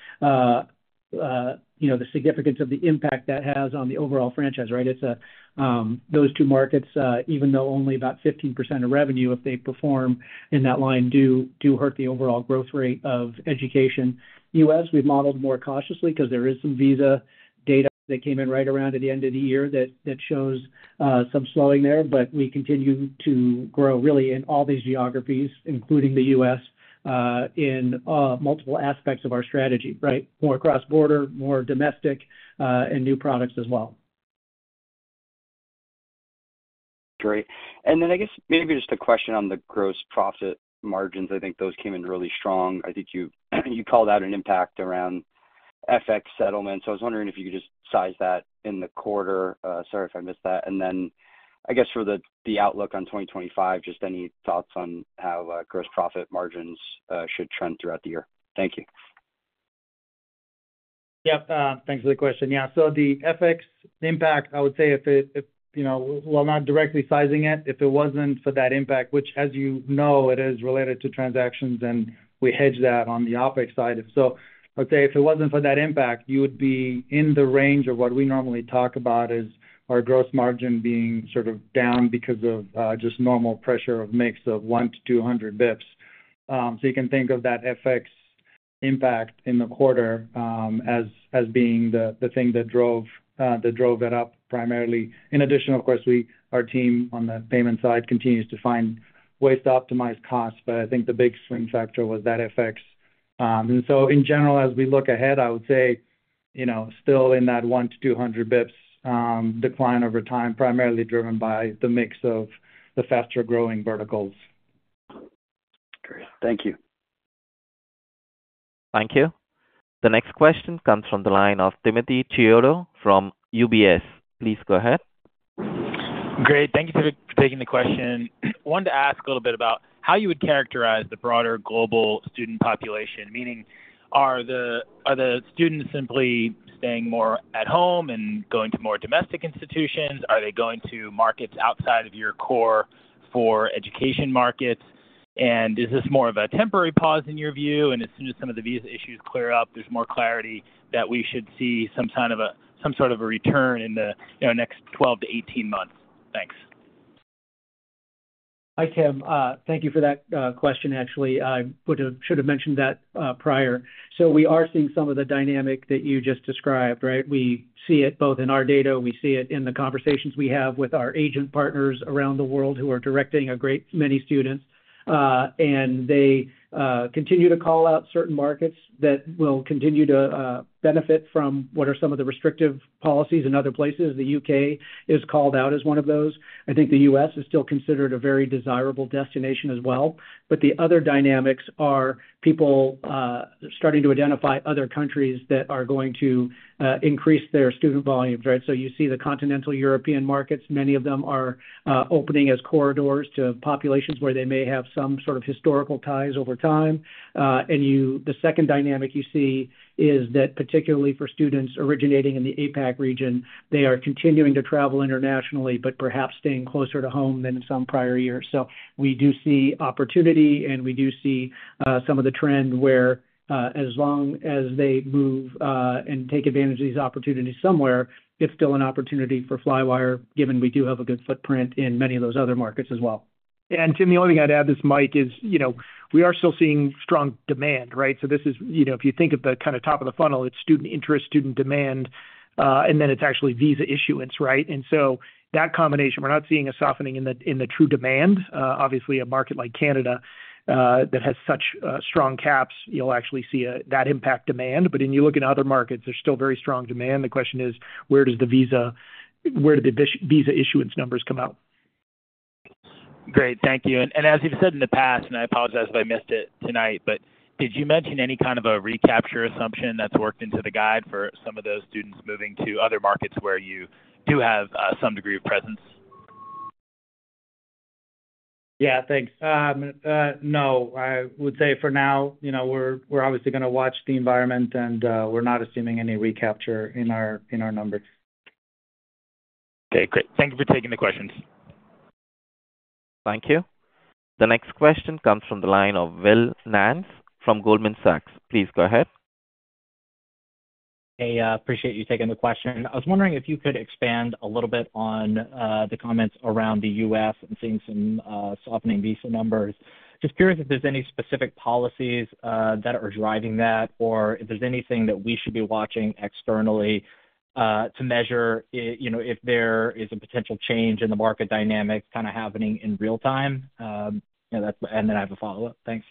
the significance of the impact that has on the overall franchise, right? Those two markets, even though only about 15% of revenue, if they perform in that line, do hurt the overall growth rate of education. U.S., we've modeled more cautiously because there is some visa data that came in right around at the end of the year that shows some slowing there, but we continue to grow really in all these geographies, including the U.S., in multiple aspects of our strategy, right? More cross-border, more domestic, and new products as well. Great. And then I guess maybe just a question on the gross profit margins. I think those came in really strong. I think you called out an impact around FX settlements. I was wondering if you could just size that in the quarter. Sorry if I missed that. And then I guess for the outlook on 2025, just any thoughts on how gross profit margins should trend throughout the year? Thank you. Yep. Thanks for the question. Yeah. So the FX impact, I would say, while not directly sizing it, if it wasn't for that impact, which, as you know, it is related to transactions, and we hedge that on the OpEx side. So I would say if it wasn't for that impact, you would be in the range of what we normally talk about as our gross margin being sort of down because of just normal pressure of mix of 1-200 basis points. So you can think of that FX impact in the quarter as being the thing that drove that up primarily. In addition, of course, our team on the payment side continues to find ways to optimize costs, but I think the big swing factor was that FX. And so in general, as we look ahead, I would say still in that 1-200 basis points decline over time, primarily driven by the mix of the faster-growing verticals. Great. Thank you. Thank you. The next question comes from the line of Timothy Chiodo from UBS. Please go ahead. Great. Thank you for taking the question. I wanted to ask a little bit about how you would characterize the broader global student population, meaning are the students simply staying more at home and going to more domestic institutions? Are they going to markets outside of your core four education markets? And is this more of a temporary pause in your view? And as soon as some of the visa issues clear up, there's more clarity that we should see some sort of a return in the next 12-18 months? Thanks. Hi, Tim. Thank you for that question, actually. I should have mentioned that prior. So we are seeing some of the dynamic that you just described, right? We see it both in our data. We see it in the conversations we have with our agent partners around the world who are directing a great many students. And they continue to call out certain markets that will continue to benefit from what are some of the restrictive policies in other places. The U.K. is called out as one of those. I think the U.S. is still considered a very desirable destination as well. But the other dynamics are people starting to identify other countries that are going to increase their student volumes, right? So you see the Continental European markets. Many of them are opening as corridors to populations where they may have some sort of historical ties over time. The second dynamic you see is that particularly for students originating in the APAC region, they are continuing to travel internationally, but perhaps staying closer to home than in some prior years. So we do see opportunity, and we do see some of the trend where as long as they move and take advantage of these opportunities somewhere, it's still an opportunity for Flywire, given we do have a good footprint in many of those other markets as well. And Tim, the only thing I'd add, this is Mike, is we are still seeing strong demand, right? So this is, if you think of the kind of top of the funnel, it's student interest, student demand, and then it's actually visa issuance, right? And so that combination, we're not seeing a softening in the true demand. Obviously, a market like Canada that has such strong caps, you'll actually see that impact demand. But when you look at other markets, there's still very strong demand. The question is, where does the visa issuance numbers come out? Great. Thank you. And as you've said in the past, and I apologize if I missed it tonight, but did you mention any kind of a recapture assumption that's worked into the guide for some of those students moving to other markets where you do have some degree of presence? Yeah, thanks. No, I would say for now, we're obviously going to watch the environment, and we're not assuming any recapture in our numbers. Okay. Great. Thank you for taking the questions. Thank you. The next question comes from the line of Will Nance from Goldman Sachs. Please go ahead. Hey, appreciate you taking the question.I was wondering if you could expand a little bit on the comments around the U.S. and seeing some softening visa numbers. Just curious if there's any specific policies that are driving that, or if there's anything that we should be watching externally to measure if there is a potential change in the market dynamics kind of happening in real time. And then I have a follow-up. Thanks.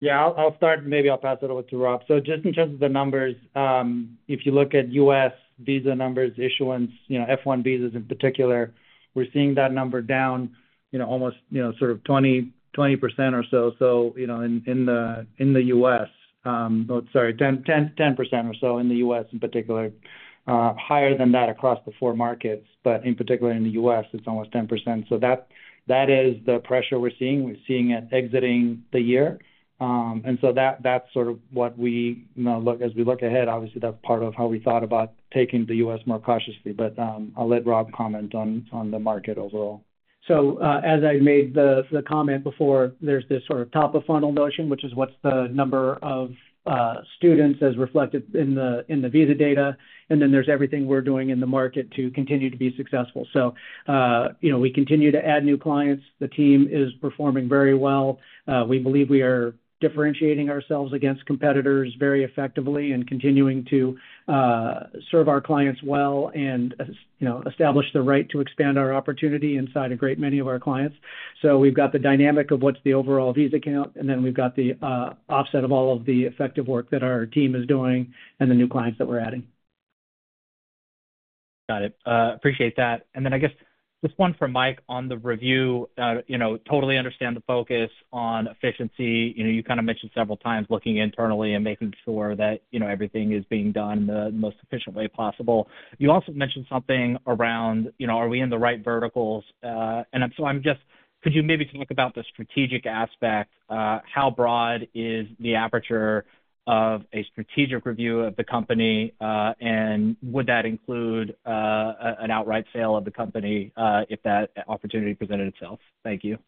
Yeah, I'll start, and maybe I'll pass it over to Rob. So just in terms of the numbers, if you look at U.S. visa numbers, issuance, F-1 visas in particular, we're seeing that number down almost sort of 20% or so. So in the U.S., sorry, 10% or so in the U.S. in particular, higher than that across the four markets, but in particular in the U.S., it's almost 10%. So that is the pressure we're seeing. We're seeing it exiting the year. And so that's sort of what we look as we look ahead. Obviously, that's part of how we thought about taking the U.S. more cautiously, but I'll let Rob comment on the market overall. So as I made the comment before, there's this sort of top of funnel notion, which is what's the number of students as reflected in the visa data. And then there's everything we're doing in the market to continue to be successful. So we continue to add new clients. The team is performing very well. We believe we are differentiating ourselves against competitors very effectively and continuing to serve our clients well and establish the right to expand our opportunity inside a great many of our clients. So we've got the dynamic of what's the overall visa count, and then we've got the offset of all of the effective work that our team is doing and the new clients that we're adding. Got it. Appreciate that. And then I guess just one for Mike on the review, totally understand the focus on efficiency. You kind of mentioned several times looking internally and making sure that everything is being done in the most efficient way possible. You also mentioned something around, are we in the right verticals? And so I'm just, could you maybe talk about the strategic aspect? How broad is the aperture of a strategic review of the company, and would that include an outright sale of the company if that opportunity presented itself? Thank you.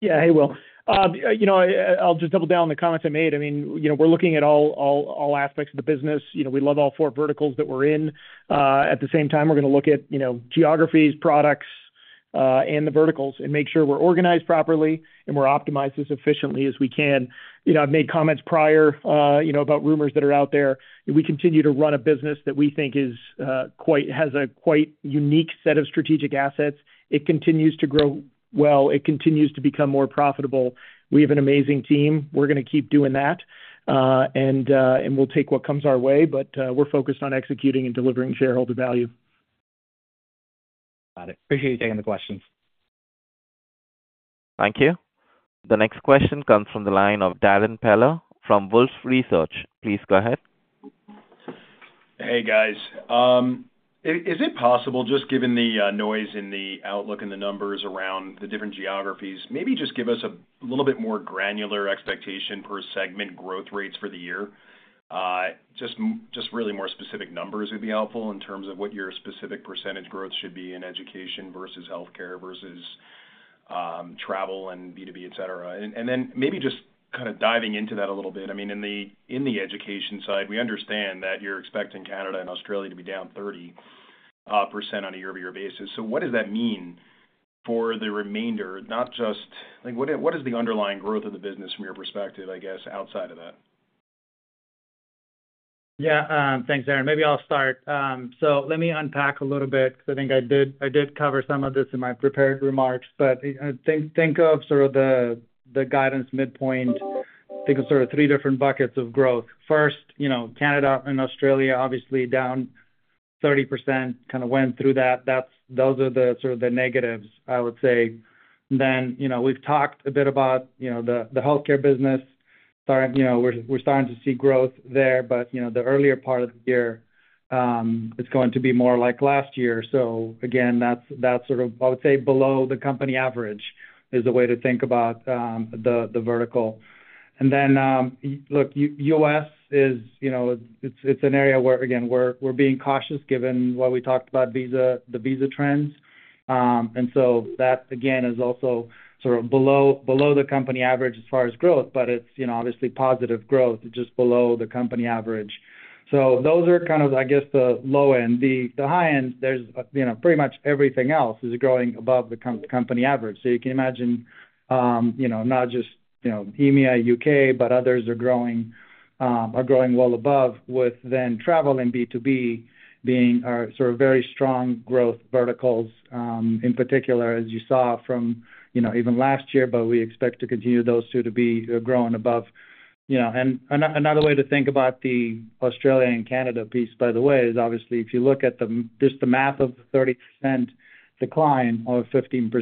Yeah, hey, Will. I'll just double down on the comments I made. I mean, we're looking at all aspects of the business. We love all four verticals that we're in. At the same time, we're going to look at geographies, products, and the verticals and make sure we're organized properly and we're optimized as efficiently as we can. I've made comments prior about rumors that are out there. We continue to run a business that we think has a quite unique set of strategic assets. It continues to grow well. It continues to become more profitable. We have an amazing team. We're going to keep doing that, and we'll take what comes our way, but we're focused on executing and delivering shareholder value. Got it. Appreciate you taking the questions. Thank you. The next question comes from the line of Darrin Peller from Wolfe Research. Please go ahead. Hey, guys. Is it possible, just given the noise in the outlook and the numbers around the different geographies, maybe just give us a little bit more granular expectation per segment growth rates for the year? Just really more specific numbers would be helpful in terms of what your specific percentage growth should be in education versus healthcare versus travel and B2B, etc. And then maybe just kind of diving into that a little bit. I mean, in the education side, we understand that you're expecting Canada and Australia to be down 30% on a year-over-year basis. So what does that mean for the remainder? What is the underlying growth of the business from your perspective, I guess, outside of that? Yeah. Thanks, Darrin. Maybe I'll start. So, let me unpack a little bit because I think I did cover some of this in my prepared remarks, but think of sort of the guidance midpoint. Think of sort of three different buckets of growth. First, Canada and Australia, obviously, down 30%, kind of went through that. Those are sort of the negatives, I would say. Then we've talked a bit about the healthcare business. We're starting to see growth there, but the earlier part of the year is going to be more like last year. So again, that's sort of, I would say, below the company average is the way to think about the vertical. And then, look, U.S., it's an area where, again, we're being cautious given what we talked about, the visa trends. And so that, again, is also sort of below the company average as far as growth, but it's obviously positive growth, just below the company average. So those are kind of, I guess, the low end. The high end, there's pretty much everything else is growing above the company average. So you can imagine not just EMEA, U.K., but others are growing well above, with then travel and B2B being sort of very strong growth verticals, in particular, as you saw from even last year, but we expect to continue those two to be growing above. And another way to think about the Australia and Canada piece, by the way, is obviously, if you look at just the math of the 30% decline or 15%,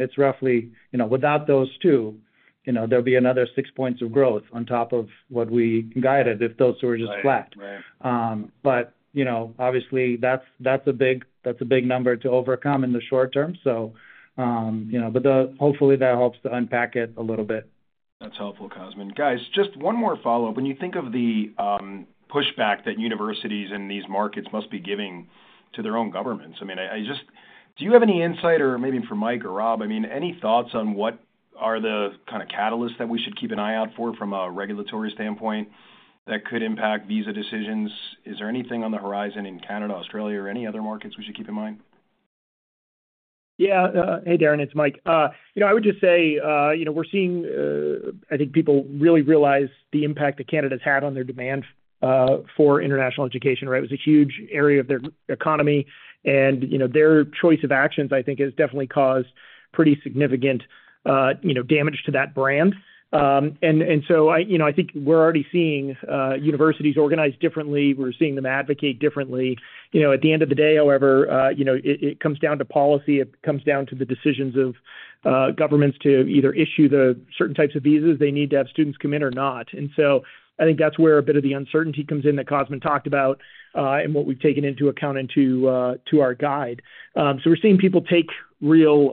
it's roughly, without those two, there'll be another six points of growth on top of what we guided if those two are just flat. But obviously, that's a big number to overcome in the short term. But hopefully, that helps to unpack it a little bit. That's helpful, Cosmin. Guys, just one more follow-up. When you think of the pushback that universities and these markets must be giving to their own governments, I mean, do you have any insight, or maybe for Mike or Rob, I mean, any thoughts on what are the kind of catalysts that we should keep an eye out for from a regulatory standpoint that could impact visa decisions? Is there anything on the horizon in Canada, Australia, or any other markets we should keep in mind? Yeah. Hey, Darrin, it's Mike. I would just say we're seeing, I think people really realize the impact that Canada has had on their demand for international education, right? It was a huge area of their economy. Their choice of actions, I think, has definitely caused pretty significant damage to that brand. I think we're already seeing universities organized differently. We're seeing them advocate differently. At the end of the day, however, it comes down to policy. It comes down to the decisions of governments to either issue the certain types of visas they need to have students come in or not. I think that's where a bit of the uncertainty comes in that Cosmin talked about and what we've taken into account in our guide. We're seeing people take real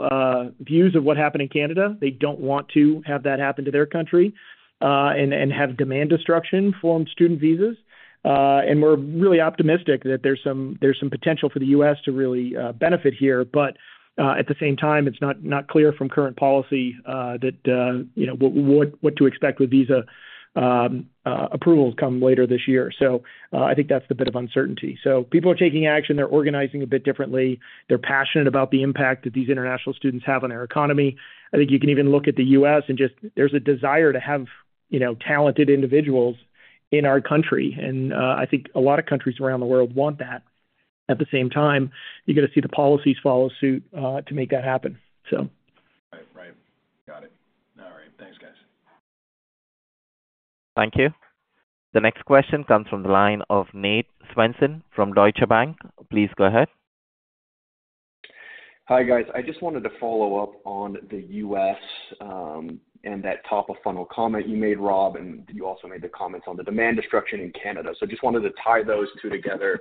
views of what happened in Canada. They don't want to have that happen to their country and have demand destruction from student visas. We're really optimistic that there's some potential for the U.S. to really benefit here. But at the same time, it's not clear from current policy what to expect with visa approvals come later this year. So I think that's the bit of uncertainty. So people are taking action. They're organizing a bit differently. They're passionate about the impact that these international students have on their economy. I think you can even look at the U.S. and just, there's a desire to have talented individuals in our country. And I think a lot of countries around the world want that. At the same time, you're going to see the policies follow suit to make that happen, so. Right. Right. Got it. All right. Thanks, guys. Thank you. The next question comes from the line of Nate Svensson from Deutsche Bank. Please go ahead. Hi, guys. I just wanted to follow up on the U.S. and that top of funnel comment you made, Rob, and you also made the comments on the demand destruction in Canada. So I just wanted to tie those two together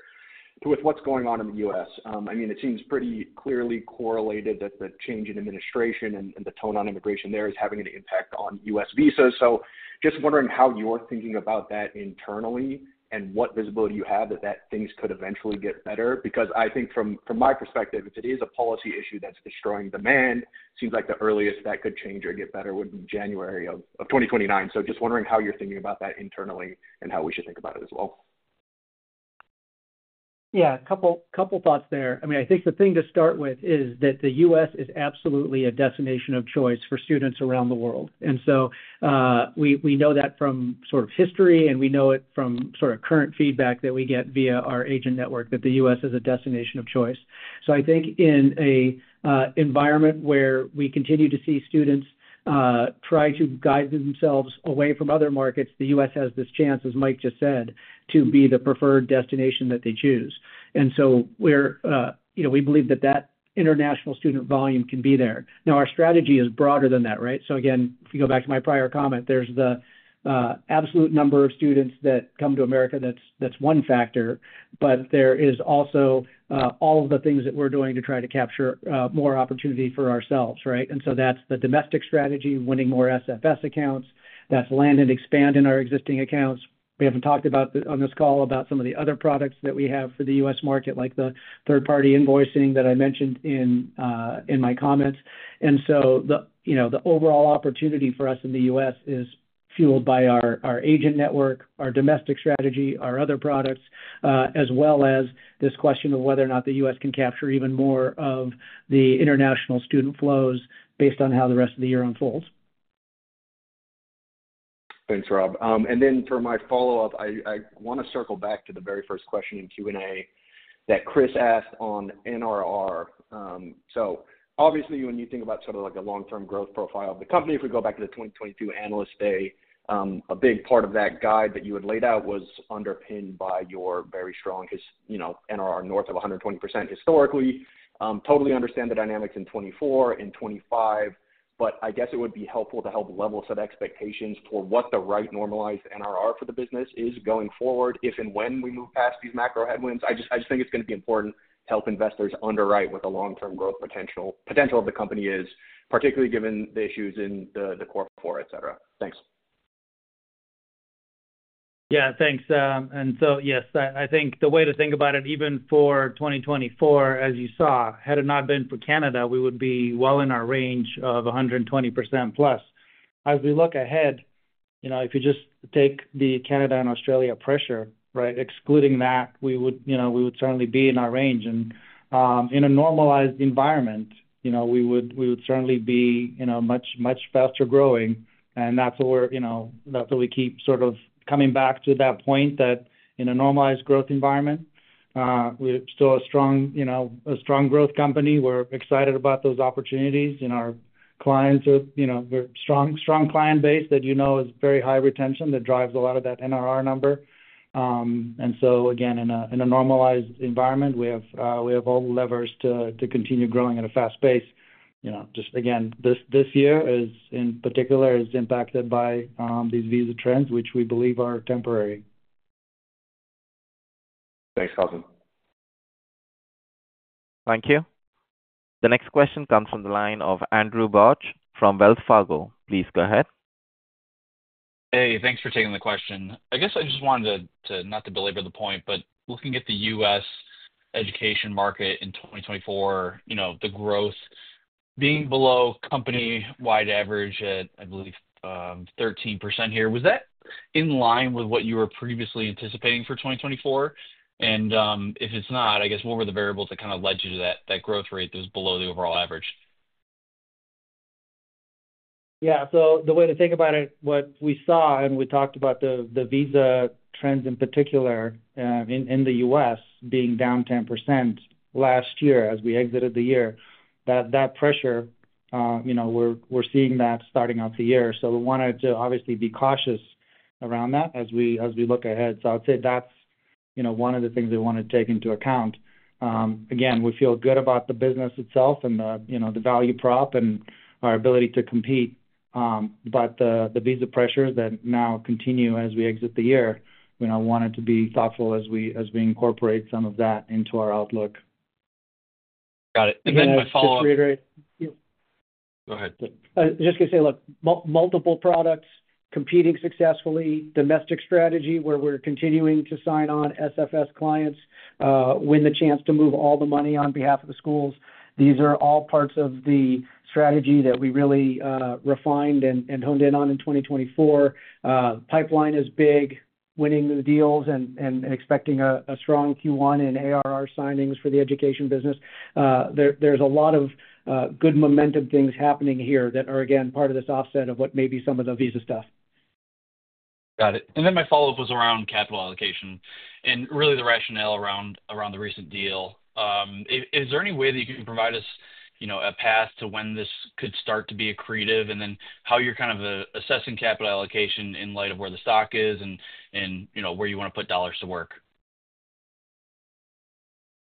with what's going on in the U.S. I mean, it seems pretty clearly correlated that the change in administration and the tone on immigration there is having an impact on U.S. visas. So just wondering how you're thinking about that internally and what visibility you have that things could eventually get better. Because I think from my perspective, if it is a policy issue that's destroying demand, it seems like the earliest that could change or get better would be January of 2029. So just wondering how you're thinking about that internally and how we should think about it as well. Yeah. A couple of thoughts there. I mean, I think the thing to start with is that the U.S. is absolutely a destination of choice for students around the world. And so we know that from sort of history, and we know it from sort of current feedback that we get via our agent network that the U.S. is a destination of choice. So I think in an environment where we continue to see students try to guide themselves away from other markets, the U.S. has this chance, as Mike just said, to be the preferred destination that they choose. And so we believe that that international student volume can be there. Now, our strategy is broader than that, right? So again, if you go back to my prior comment, there's the absolute number of students that come to America, that's one factor. But there is also all of the things that we're doing to try to capture more opportunity for ourselves, right? And so that's the domestic strategy, winning more SFS accounts. That's land and expand in our existing accounts. We haven't talked on this call about some of the other products that we have for the U.S. market, like the third-party invoicing that I mentioned in my comments. And so the overall opportunity for us in the U.S. is fueled by our agent network, our domestic strategy, our other products, as well as this question of whether or not the U.S. can capture even more of the international student flows based on how the rest of the year unfolds. Thanks, Rob. And then for my follow-up, I want to circle back to the very first question in Q&A that Chris asked on NRR. So obviously, when you think about sort of a long-term growth profile of the company, if we go back to the 2022 analyst day, a big part of that guide that you had laid out was underpinned by your very strong NRR north of 120% historically. Totally understand the dynamics in 2024 and 2025, but I guess it would be helpful to help level set expectations for what the right normalized NRR for the business is going forward if and when we move past these macro headwinds. I just think it's going to be important to help investors underwrite what the long-term growth potential of the company is, particularly given the issues in the core, etc. Thanks. Yeah. Thanks. And so yes, I think the way to think about it, even for 2024, as you saw, had it not been for Canada, we would be well in our range of 120% plus. As we look ahead, if you just take the Canada and Australia pressure, right, excluding that, we would certainly be in our range. And in a normalized environment, we would certainly be much, much faster growing. And that's where we keep sort of coming back to that point that in a normalized growth environment, we're still a strong growth company. We're excited about those opportunities. Our clients are a strong client base that you know is very high retention that drives a lot of that NRR number. And so again, in a normalized environment, we have all the levers to continue growing at a fast pace. Just again, this year in particular is impacted by these visa trends, which we believe are temporary. Thanks, Cosmin. Thank you. The next question comes from the line of Andrew Bauch from Wells Fargo. Please go ahead. Hey, thanks for taking the question. I guess I just wanted not to belabor the point, but looking at the U.S. education market in 2024, the growth being below company-wide average at, I believe, 13% here, was that in line with what you were previously anticipating for 2024? And if it's not, I guess what were the variables that kind of led you to that growth rate that was below the overall average? Yeah. So, the way to think about it—what we saw—and we talked about the visa trends in particular in the U.S. being down 10% last year as we exited the year—that pressure. We're seeing that starting out the year. So, we wanted to obviously be cautious around that as we look ahead. So, I'd say that's one of the things we want to take into account. Again, we feel good about the business itself and the value prop and our ability to compete. But the visa pressures that now continue as we exit the year. We wanted to be thoughtful as we incorporate some of that into our outlook. Got it. And then, my follow-up. Just reiterate. Go ahead. I was just going to say, look, multiple products, competing successfully, domestic strategy where we're continuing to sign on SFS clients, win the chance to move all the money on behalf of the schools. These are all parts of the strategy that we really refined and honed in on in 2024. Pipeline is big, winning the deals and expecting a strong Q1 and ARR signings for the education business. There's a lot of good momentum things happening here that are, again, part of this offset of what may be some of the visa stuff. Got it. And then my follow-up was around capital allocation and really the rationale around the recent deal. Is there any way that you can provide us a path to when this could start to be accretive and then how you're kind of assessing capital allocation in light of where the stock is and where you want to put dollars to work?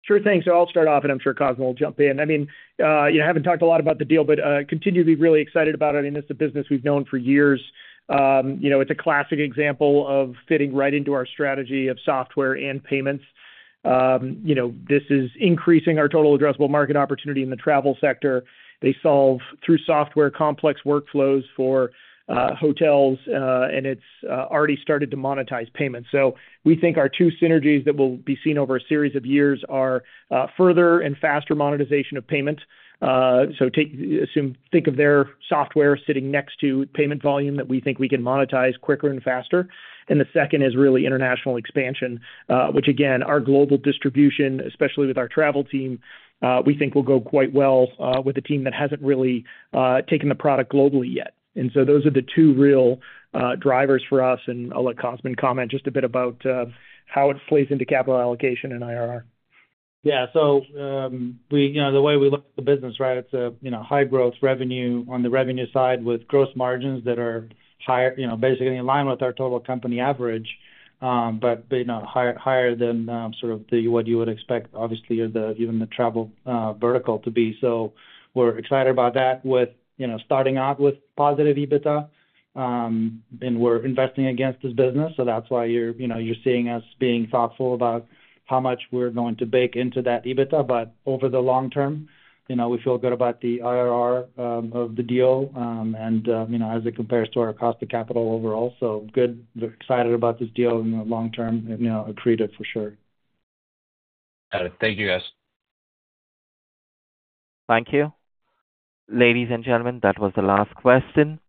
Sure thing, so I'll start off, and I'm sure Cosmin will jump in. I mean, I haven't talked a lot about the deal, but continue to be really excited about it. I mean, it's a business we've known for years. It's a classic example of fitting right into our strategy of software and payments. This is increasing our total addressable market opportunity in the travel sector. They solve through software complex workflows for hotels, and it's already started to monetize payments, so we think our two synergies that will be seen over a series of years are further and faster monetization of payments. So, think of their software sitting next to payment volume that we think we can monetize quicker and faster. And the second is really international expansion, which, again, our global distribution, especially with our travel team, we think will go quite well with a team that hasn't really taken the product globally yet. And so those are the two real drivers for us. And I'll let Cosmin comment just a bit about how it plays into capital allocation and IRR. Yeah. So the way we look at the business, right, it's a high growth revenue on the revenue side with gross margins that are basically in line with our total company average, but higher than sort of what you would expect, obviously, even the travel vertical to be. So we're excited about that with starting out with positive EBITDA, and we're investing against this business. So that's why you're seeing us being thoughtful about how much we're going to bake into that EBITDA. But over the long term, we feel good about the IRR of the deal as it compares to our cost of capital overall. So good. We're excited about this deal in the long term, accretive for sure. Got it. Thank you, guys. Thank you. Ladies and gentlemen, that was the last question.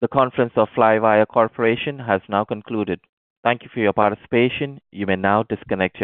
The conference of Flywire Corporation has now concluded. Thank you for your participation. You may now disconnect.